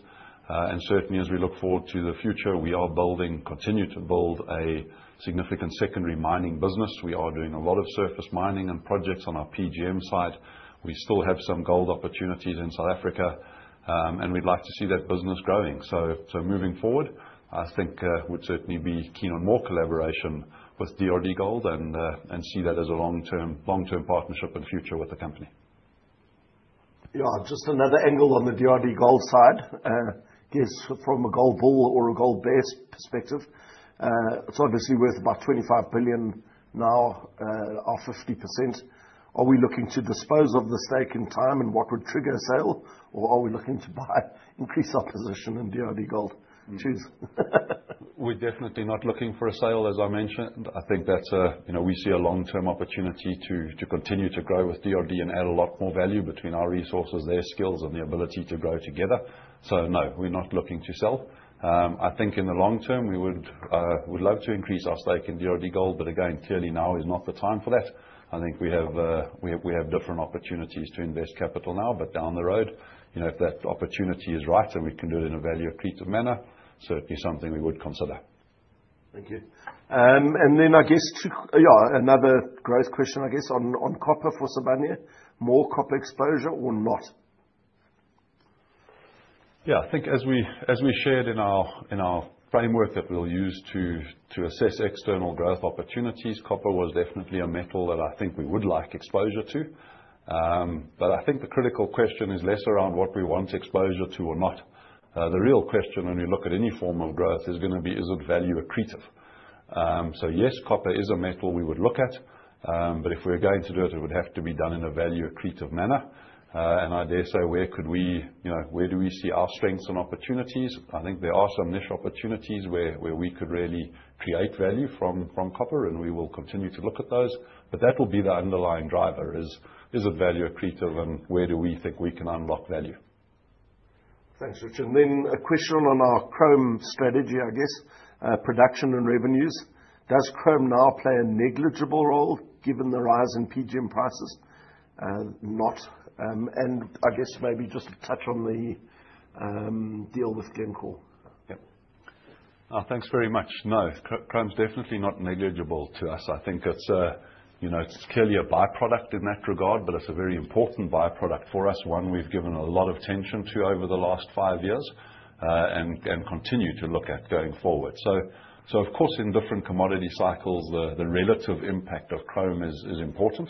And certainly as we look forward to the future, we are building continue to build a significant secondary mining business. We are doing a lot of surface mining and projects on our PGM side. We still have some gold opportunities in South Africa, and we'd like to see that business growing. So, so moving forward, I think, we'd certainly be keen on more collaboration with DRDGold and, and see that as a long-term, long-term partnership and future with the company. Yeah, just another angle on the DRDGold side, I guess from a gold bull or a gold bear perspective, it's obviously worth about 25 billion now, our 50%. Are we looking to dispose of the stake in time, and what would trigger a sale? Or are we looking to buy, increase our position in DRDGold? Cheers. We're definitely not looking for a sale, as I mentioned. I think that's you know, we see a long-term opportunity to continue to grow with DRD and add a lot more value between our resources, their skills, and the ability to grow together. So no, we're not looking to sell. I think in the long term, we would love to increase our stake in DRDGold, but again, clearly now is not the time for that. I think we have different opportunities to invest capital now, but down the road, you know, if that opportunity is right and we can do it in a value accretive manner, certainly something we would consider. Thank you. And then I guess, yeah, another growth question, I guess, on, on copper for Sibanye. More copper exposure or not? Yeah, I think as we shared in our framework that we'll use to assess external growth opportunities, copper was definitely a metal that I think we would like exposure to. But I think the critical question is less around what we want exposure to or not. The real question when we look at any form of growth is gonna be, is it value accretive? So yes, copper is a metal we would look at, but if we're going to do it, it would have to be done in a value accretive manner. And I dare say, you know, where do we see our strengths and opportunities? I think there are some niche opportunities where we could really create value from copper, and we will continue to look at those, but that will be the underlying driver: is it value accretive, and where do we think we can unlock value? Thanks, Richard. And then a question on our chrome strategy, I guess, production and revenues. Does chrome now play a negligible role given the rise in PGM prices? And I guess maybe just touch on the deal with Glencore. Yep. Thanks very much. No, chrome's definitely not negligible to us. I think it's a, you know, it's clearly a by-product in that regard, but it's a very important by-product for us, one we've given a lot of attention to over the last five years, and continue to look at going forward. So, of course, in different commodity cycles, the relative impact of chrome is important.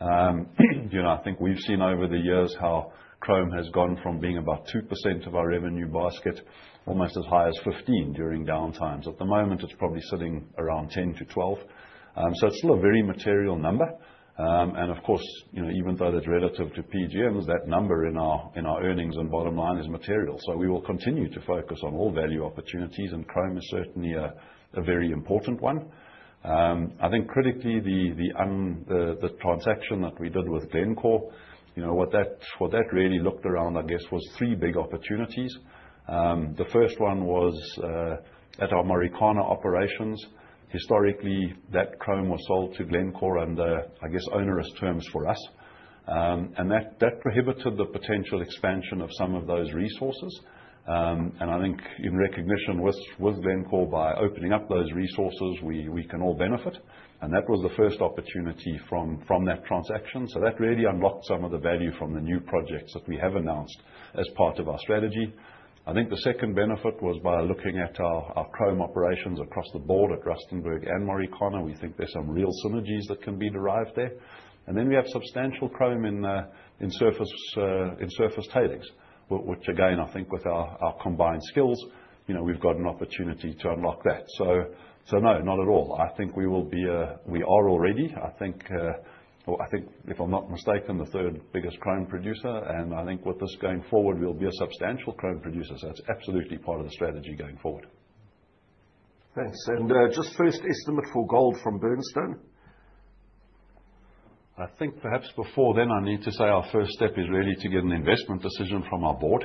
You know, I think we've seen over the years how chrome has gone from being about 2% of our revenue basket, almost as high as 15% during downtimes. At the moment, it's probably sitting around 10%-12%. So it's still a very material number. And of course, you know, even though that's relative to PGMs, that number in our, in our earnings and bottom line is material. So we will continue to focus on all value opportunities, and chrome is certainly a very important one. I think critically, the transaction that we did with Glencore, you know, what that really looked around, I guess, was three big opportunities. The first one was at our Marikana operations. Historically, that chrome was sold to Glencore under, I guess, onerous terms for us. And that prohibited the potential expansion of some of those resources. I think in recognition with Glencore, by opening up those resources, we can all benefit, and that was the first opportunity from that transaction. So that really unlocked some of the value from the new projects that we have announced as part of our strategy. I think the second benefit was by looking at our chrome operations across the board at Rustenburg and Marikana. We think there's some real synergies that can be derived there. And then we have substantial chrome in surface tailings, which again, I think with our combined skills, you know, we've got an opportunity to unlock that. So no, not at all. I think we will be a we are already, I think, well, I think, if I'm not mistaken, the third biggest chrome producer, and I think with this going forward, we'll be a substantial chrome producer. So that's absolutely part of the strategy going forward. Thanks. And, just first estimate for gold from Burnstone? I think perhaps before then, I need to say our first step is really to get an investment decision from our board.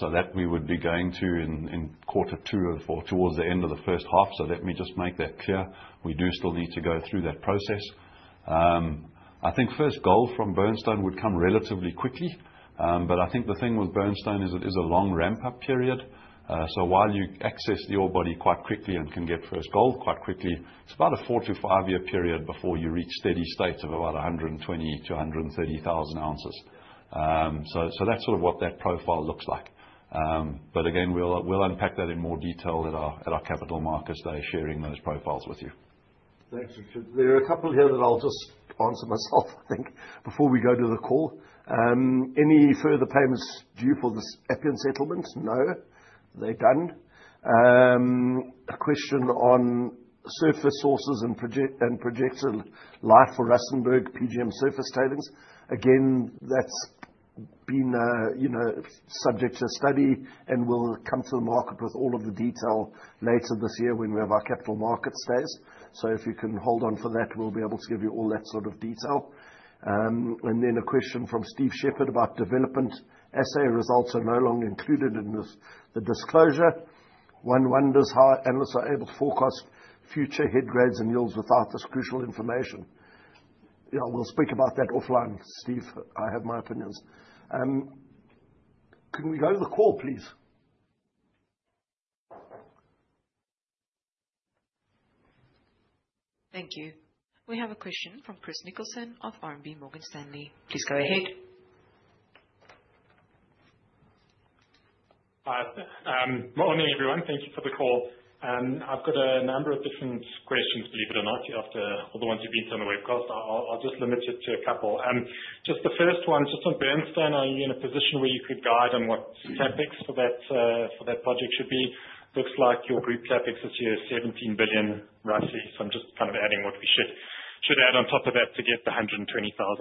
So that we would be going to in quarter two or towards the end of the first half. So let me just make that clear. We do still need to go through that process. I think first gold from Burnstone would come relatively quickly, but I think the thing with Burnstone is it is a long ramp-up period. So while you access the ore body quite quickly and can get first gold quite quickly, it's about a 4- to 5-year period before you reach steady state of about 120,000-130,000oz. So that's sort of what that profile looks like. But again, we'll unpack that in more detail at our capital markets day, sharing those profiles with you. Thanks, Richard. There are a couple here that I'll just answer myself, I think, before we go to the call. Any further payments due for the Appian settlement? No, they're done. A question on surface sources and projected life for Rustenburg PGM surface tailings. Again, that's been, you know, subject to study, and we'll come to the market with all of the detail later this year when we have our capital markets days. So if you can hold on for that, we'll be able to give you all that sort of detail. And then a question from Steve Shepard about development. Assay results are no longer included in this, the disclosure. One wonders how analysts are able to forecast future head grades and yields without this crucial information. Yeah, we'll speak about that offline, Steve. I have my opinions. Can we go to the call, please? Thank you. We have a question from Chris Nicholson of RMB Morgan Stanley. Please go ahead. Hi, morning, everyone. Thank you for the call. I've got a number of different questions, believe it or not, after all the ones you've been on the webcast. I'll, I'll just limit it to a couple. Just the first one, just on Burnstone, are you in a position where you could guide on what CapEx for that, for that project should be? Looks like your group CapEx this year is 17 billion, roughly, so I'm just kind of adding what we should, should add on top of that to get the 120,000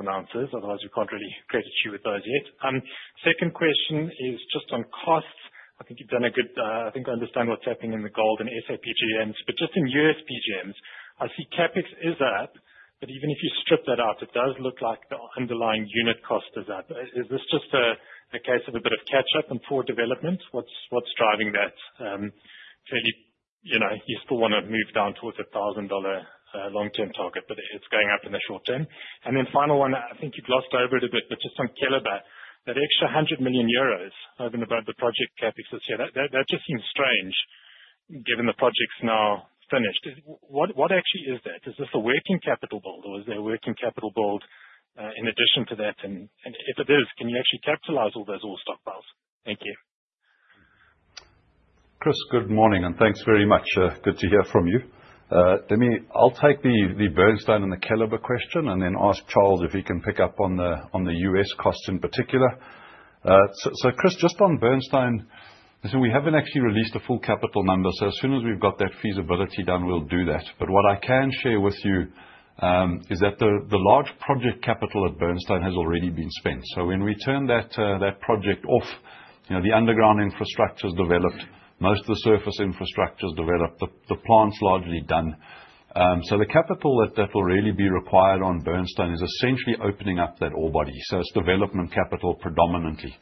ounces, otherwise we can't really create a view with those yet. Second question is just on costs. I think you've done a good, I think I understand what's happening in the gold and SA PGMs, but just in US PGMs, I see CapEx is up, but even if you strip that out, it does look like the underlying unit cost is up. Is, is this just a, a case of a bit of catch up and poor development? What's, what's driving that? Clearly, you know, you still wanna move down towards a $1,000 long-term target, but it's going up in the short term. And then final one, I think you've glossed over it a bit, but just on Keliber, that extra 100 million euros over and above the project CapEx this year, that, that just seems strange, given the project's now finished. Is- what, what actually is that? Is this a working capital build, or is there a working capital build in addition to that? If it is, can you actually capitalize all those old stockpiles? Thank you. Chris, good morning, and thanks very much. Good to hear from you. Let me. I'll take the Burnstone and the Keliber question, and then ask Charles if he can pick up on the US costs in particular. So, Chris, just on Burnstone, we haven't actually released the full capital number, so as soon as we've got that feasibility done, we'll do that. But what I can share with you is that the large project capital at Burnstone has already been spent. So when we turn that project off, you know, the underground infrastructure's developed, most of the surface infrastructure's developed, the plant's largely done. So the capital that will really be required on Burnstone is essentially opening up that ore body. So it's development capital predominantly.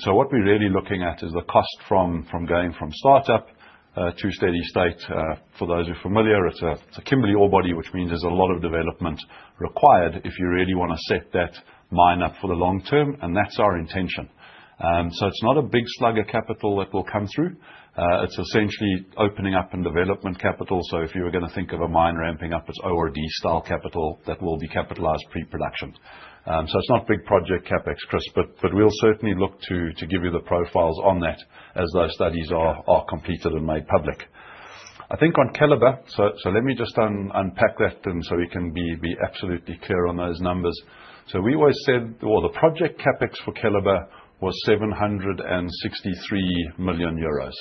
So what we're really looking at is the cost from going from start up to steady state. For those who are familiar, it's a Kimberly ore body, which means there's a lot of development required if you really wanna set that mine up for the long term, and that's our intention. So it's not a big slug of capital that will come through. It's essentially opening up and development capital. So if you were gonna think of a mine ramping up, its ORD style capital, that will be capitalized pre-production. So it's not big project CapEx, Chris, but we'll certainly look to give you the profiles on that as those studies are completed and made public. I think on Keliber, so let me just unpack that, and so we can be absolutely clear on those numbers. So we always said... well, the project CapEx for Keliber was 763 million euros.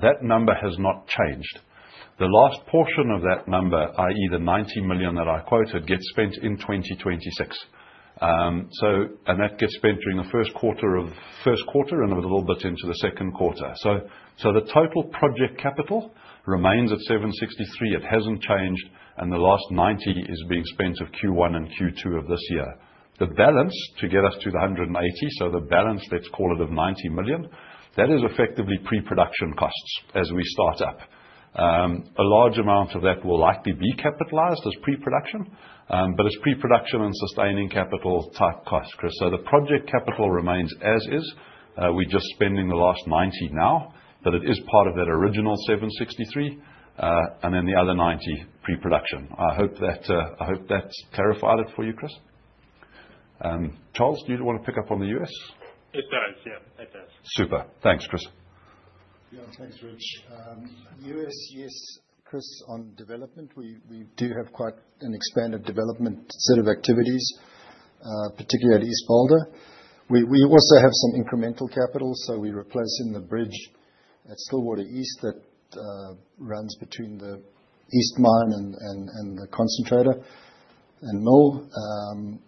That number has not changed. The last portion of that number, i.e., the 90 million that I quoted, gets spent in 2026. And that gets spent during the first quarter of, first quarter and a little bit into the second quarter. So the total project capital remains at 763 million, it hasn't changed, and the last 90 million is being spent in Q1 and Q2 of this year. The balance, to get us to the 180, so the balance, let's call it of 90 million, that is effectively pre-production costs as we start up. A large amount of that will likely be capitalized as pre-production, but it's pre-production and sustaining capital-type costs, Chris. So the project capital remains as is. We're just spending the last 90 now, but it is part of that original 763, and then the other 90, pre-production. I hope that, I hope that's clarified it for you, Chris. Charles, do you want to pick up on the U.S.? It does, yeah. It does. Super. Thanks, Chris. Yeah, thanks, Rich. US, yes, Chris, on development, we do have quite an expanded development set of activities, particularly at East Boulder. We also have some incremental capital, so we're replacing the bridge at Stillwater East, that runs between the east mine and the concentrator and mill.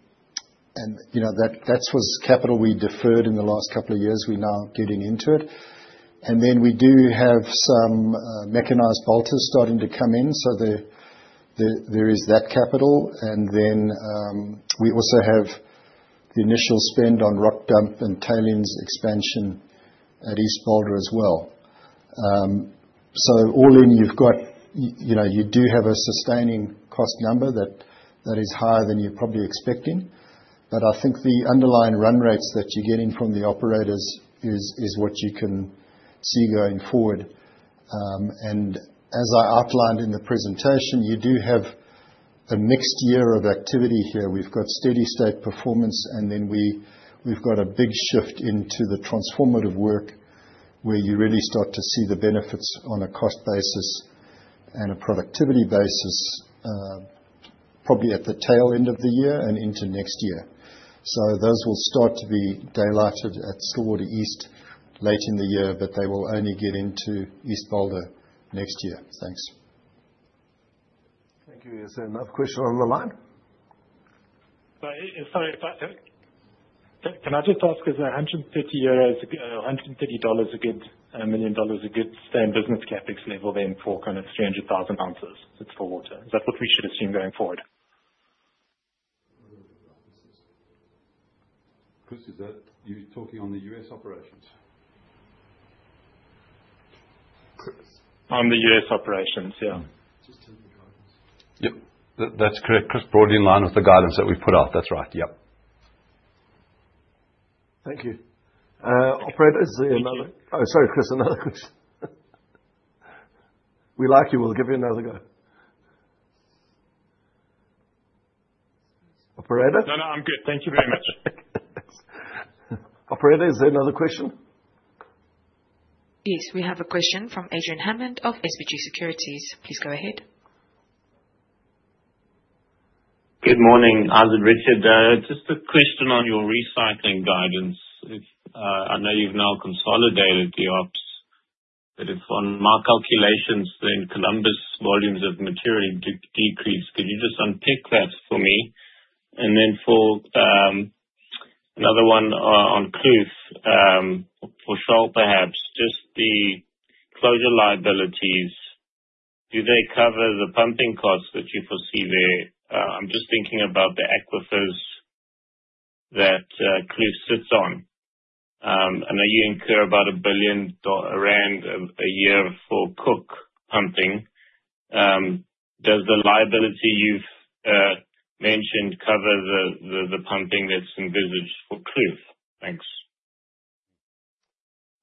And, you know, that that's was capital we deferred in the last couple of years, we're now getting into it. And then we do have some mechanized bolters starting to come in, so there is that capital. And then, we also have the initial spend on rock dump and tailings expansion at East Boulder as well. So all in, you've got... You know, you do have a sustaining cost number that is higher than you're probably expecting, but I think the underlying run rates that you're getting from the operators is what you can see going forward. And as I outlined in the presentation, you do have a mixed year of activity here. We've got steady state performance, and then we've got a big shift into the transformative work, where you really start to see the benefits on a cost basis and a productivity basis, probably at the tail end of the year and into next year. So those will start to be daylighted at Stillwater East late in the year, but they will only get into East Boulder next year. Thanks. Thank you. Is there another question on the line? Sorry, sorry, but can I just ask, is 150 million, $130 a good $1 million a good SIB CapEx level then for kind of 300,000 ounces? That's for water. Is that what we should assume going forward? Chris, is that you talking on the U.S. operations? Chris? On the U.S. operations, yeah. Just tell him the guidance. Yep, that's correct. Chris, broadly in line with the guidance that we've put out. That's right. Yep. Thank you. Operator, is there another? Oh, sorry, Chris, another question. We like you, we'll give you another go. Operator? No, no, I'm good. Thank you very much. Thanks. Operator, is there another question? Yes, we have a question from Adrian Hammond of SBG Securities. Please go ahead. Good morning, Adrian, Richard. Just a question on your recycling guidance. If I know you've now consolidated the ops, but it's on my calculations, then Columbus volumes of material decreased. Could you just unpick that for me? And then for another one, on Kloof, for Charl perhaps, just the closure liabilities, do they cover the pumping costs that you foresee there? I'm just thinking about the aquifers that Kloof sits on. I know you incur about 1 billion rand a year for Kloof pumping. Does the liability you've mentioned cover the pumping that's envisaged for Kloof? Thanks.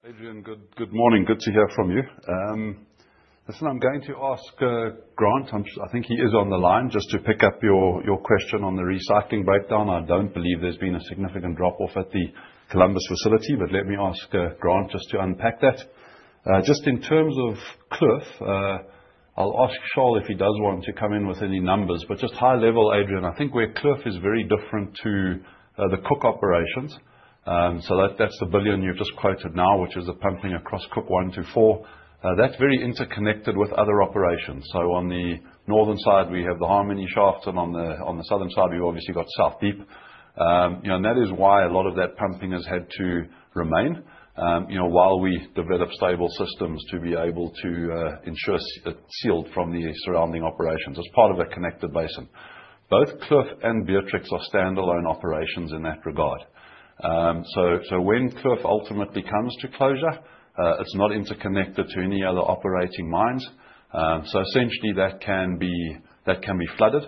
Adrian, good, good morning. Good to hear from you. Listen, I'm going to ask, Grant, I'm sure, I think he is on the line, just to pick up your question on the recycling breakdown. I don't believe there's been a significant drop-off at the Columbus facility, but let me ask, Grant, just to unpack that. Just in terms of Kloof, I'll ask Charles if he does want to come in with any numbers, but just high level, Adrian, I think where Kloof is very different to the Cooke operations. So that, that's the billion you've just quoted now, which is the pumping across Cooke one to four. That's very interconnected with other operations. So on the northern side, we have the Harmony shaft, and on the southern side, we've obviously got South Deep. You know, and that is why a lot of that pumping has had to remain, you know, while we develop stable systems to be able to ensure it's sealed from the surrounding operations as part of a connected basin. Both Kloof and Beatrix are standalone operations in that regard. So when Kloof ultimately comes to closure, it's not interconnected to any other operating mines. So essentially, that can be flooded,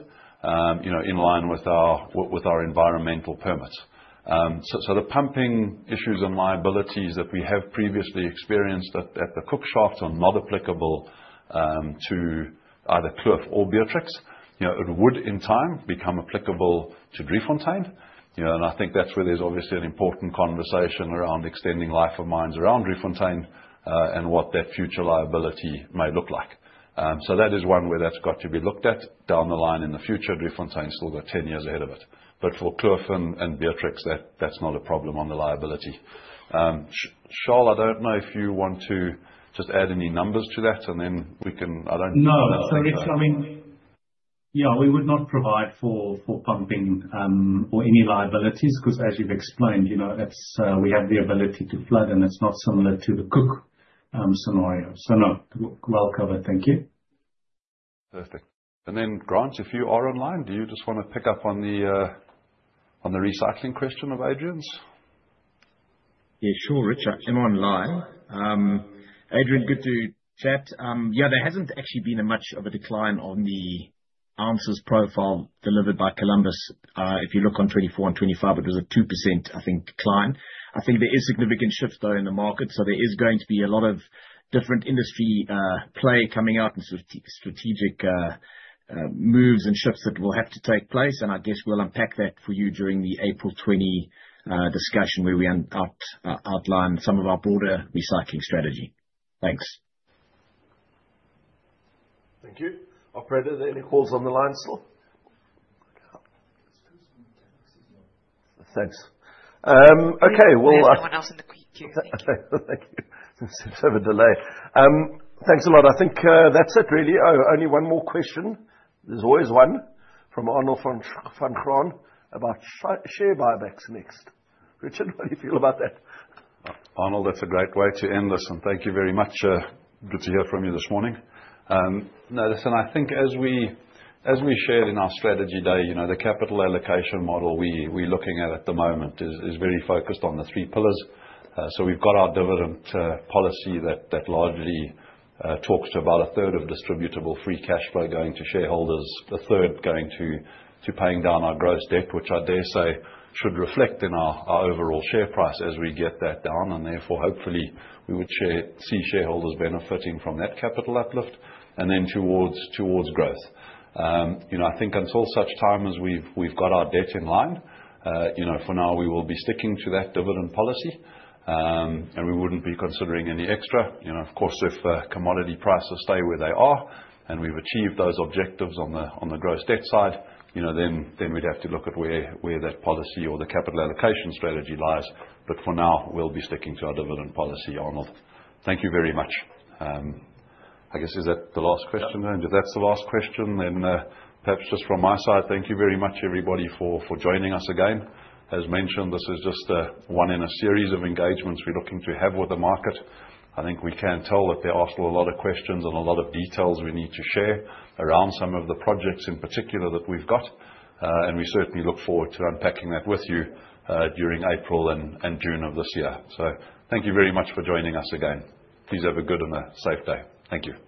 you know, in line with our environmental permits. So the pumping issues and liabilities that we have previously experienced at the Cooke shafts are not applicable to either Kloof or Beatrix. You know, it would, in time, become applicable to Driefontein, you know, and I think that's where there's obviously an important conversation around extending life of mines around Driefontein, and what that future liability may look like. So that is one where that's got to be looked at down the line in the future. Driefontein's still got 10 years ahead of it. But for Kloof and Beatrix, that's not a problem on the liability. Charles, I don't know if you want to just add any numbers to that, and then we can. No, so it's, I mean, yeah, we would not provide for pumping or any liabilities, because as you've explained, you know, it's we have the ability to flood, and it's not similar to the Kloof scenario. So no, well covered. Thank you. Perfect. Then Grant, if you are online, do you just want to pick up on the, on the recycling question of Adrian's? Yeah, sure, Richard. I'm online. Adrian, good to chat. Yeah, there hasn't actually been much of a decline on the ounces profile delivered by Columbus. If you look on 2024 and 2025, it was a 2%, I think, decline. I think there is significant shifts though in the market, so there is going to be a lot of different industry play coming out and sort of strategic moves and shifts that will have to take place. And I guess we'll unpack that for you during the April 20 discussion, where we outline some of our broader recycling strategy. Thanks. Thank you. Operator, are there any calls on the line still? Thanks. Okay, well, There's no one else in the queue. Thank you. Thank you. Seems to have a delay. Thanks a lot. I think that's it, really. Oh, only one more question. There's always one, from Arnold van Graan, about share buybacks next. Richard, what do you feel about that? Arnold, that's a great way to end this, and thank you very much. Good to hear from you this morning. No, listen, I think as we, as we shared in our strategy day, you know, the capital allocation model we're looking at at the moment is very focused on the three pillars. So we've got our dividend policy that largely talks to about a third of distributable free cash flow going to shareholders, a third going to paying down our gross debt, which I dare say should reflect in our overall share price as we get that down, and therefore, hopefully, we would share, see shareholders benefiting from that capital uplift, and then towards growth. You know, I think until such time as we've got our debt in line, you know, for now, we will be sticking to that dividend policy, and we wouldn't be considering any extra. You know, of course, if commodity prices stay where they are, and we've achieved those objectives on the gross debt side, you know, then we'd have to look at where that policy or the capital allocation strategy lies. But for now, we'll be sticking to our dividend policy, Arnold. Thank you very much. I guess, is that the last question then? If that's the last question, then, perhaps just from my side, thank you very much, everybody, for joining us again. As mentioned, this is just one in a series of engagements we're looking to have with the market. I think we can tell that there are still a lot of questions and a lot of details we need to share around some of the projects in particular that we've got. And we certainly look forward to unpacking that with you during April and June of this year. So thank you very much for joining us again. Please have a good and a safe day. Thank you.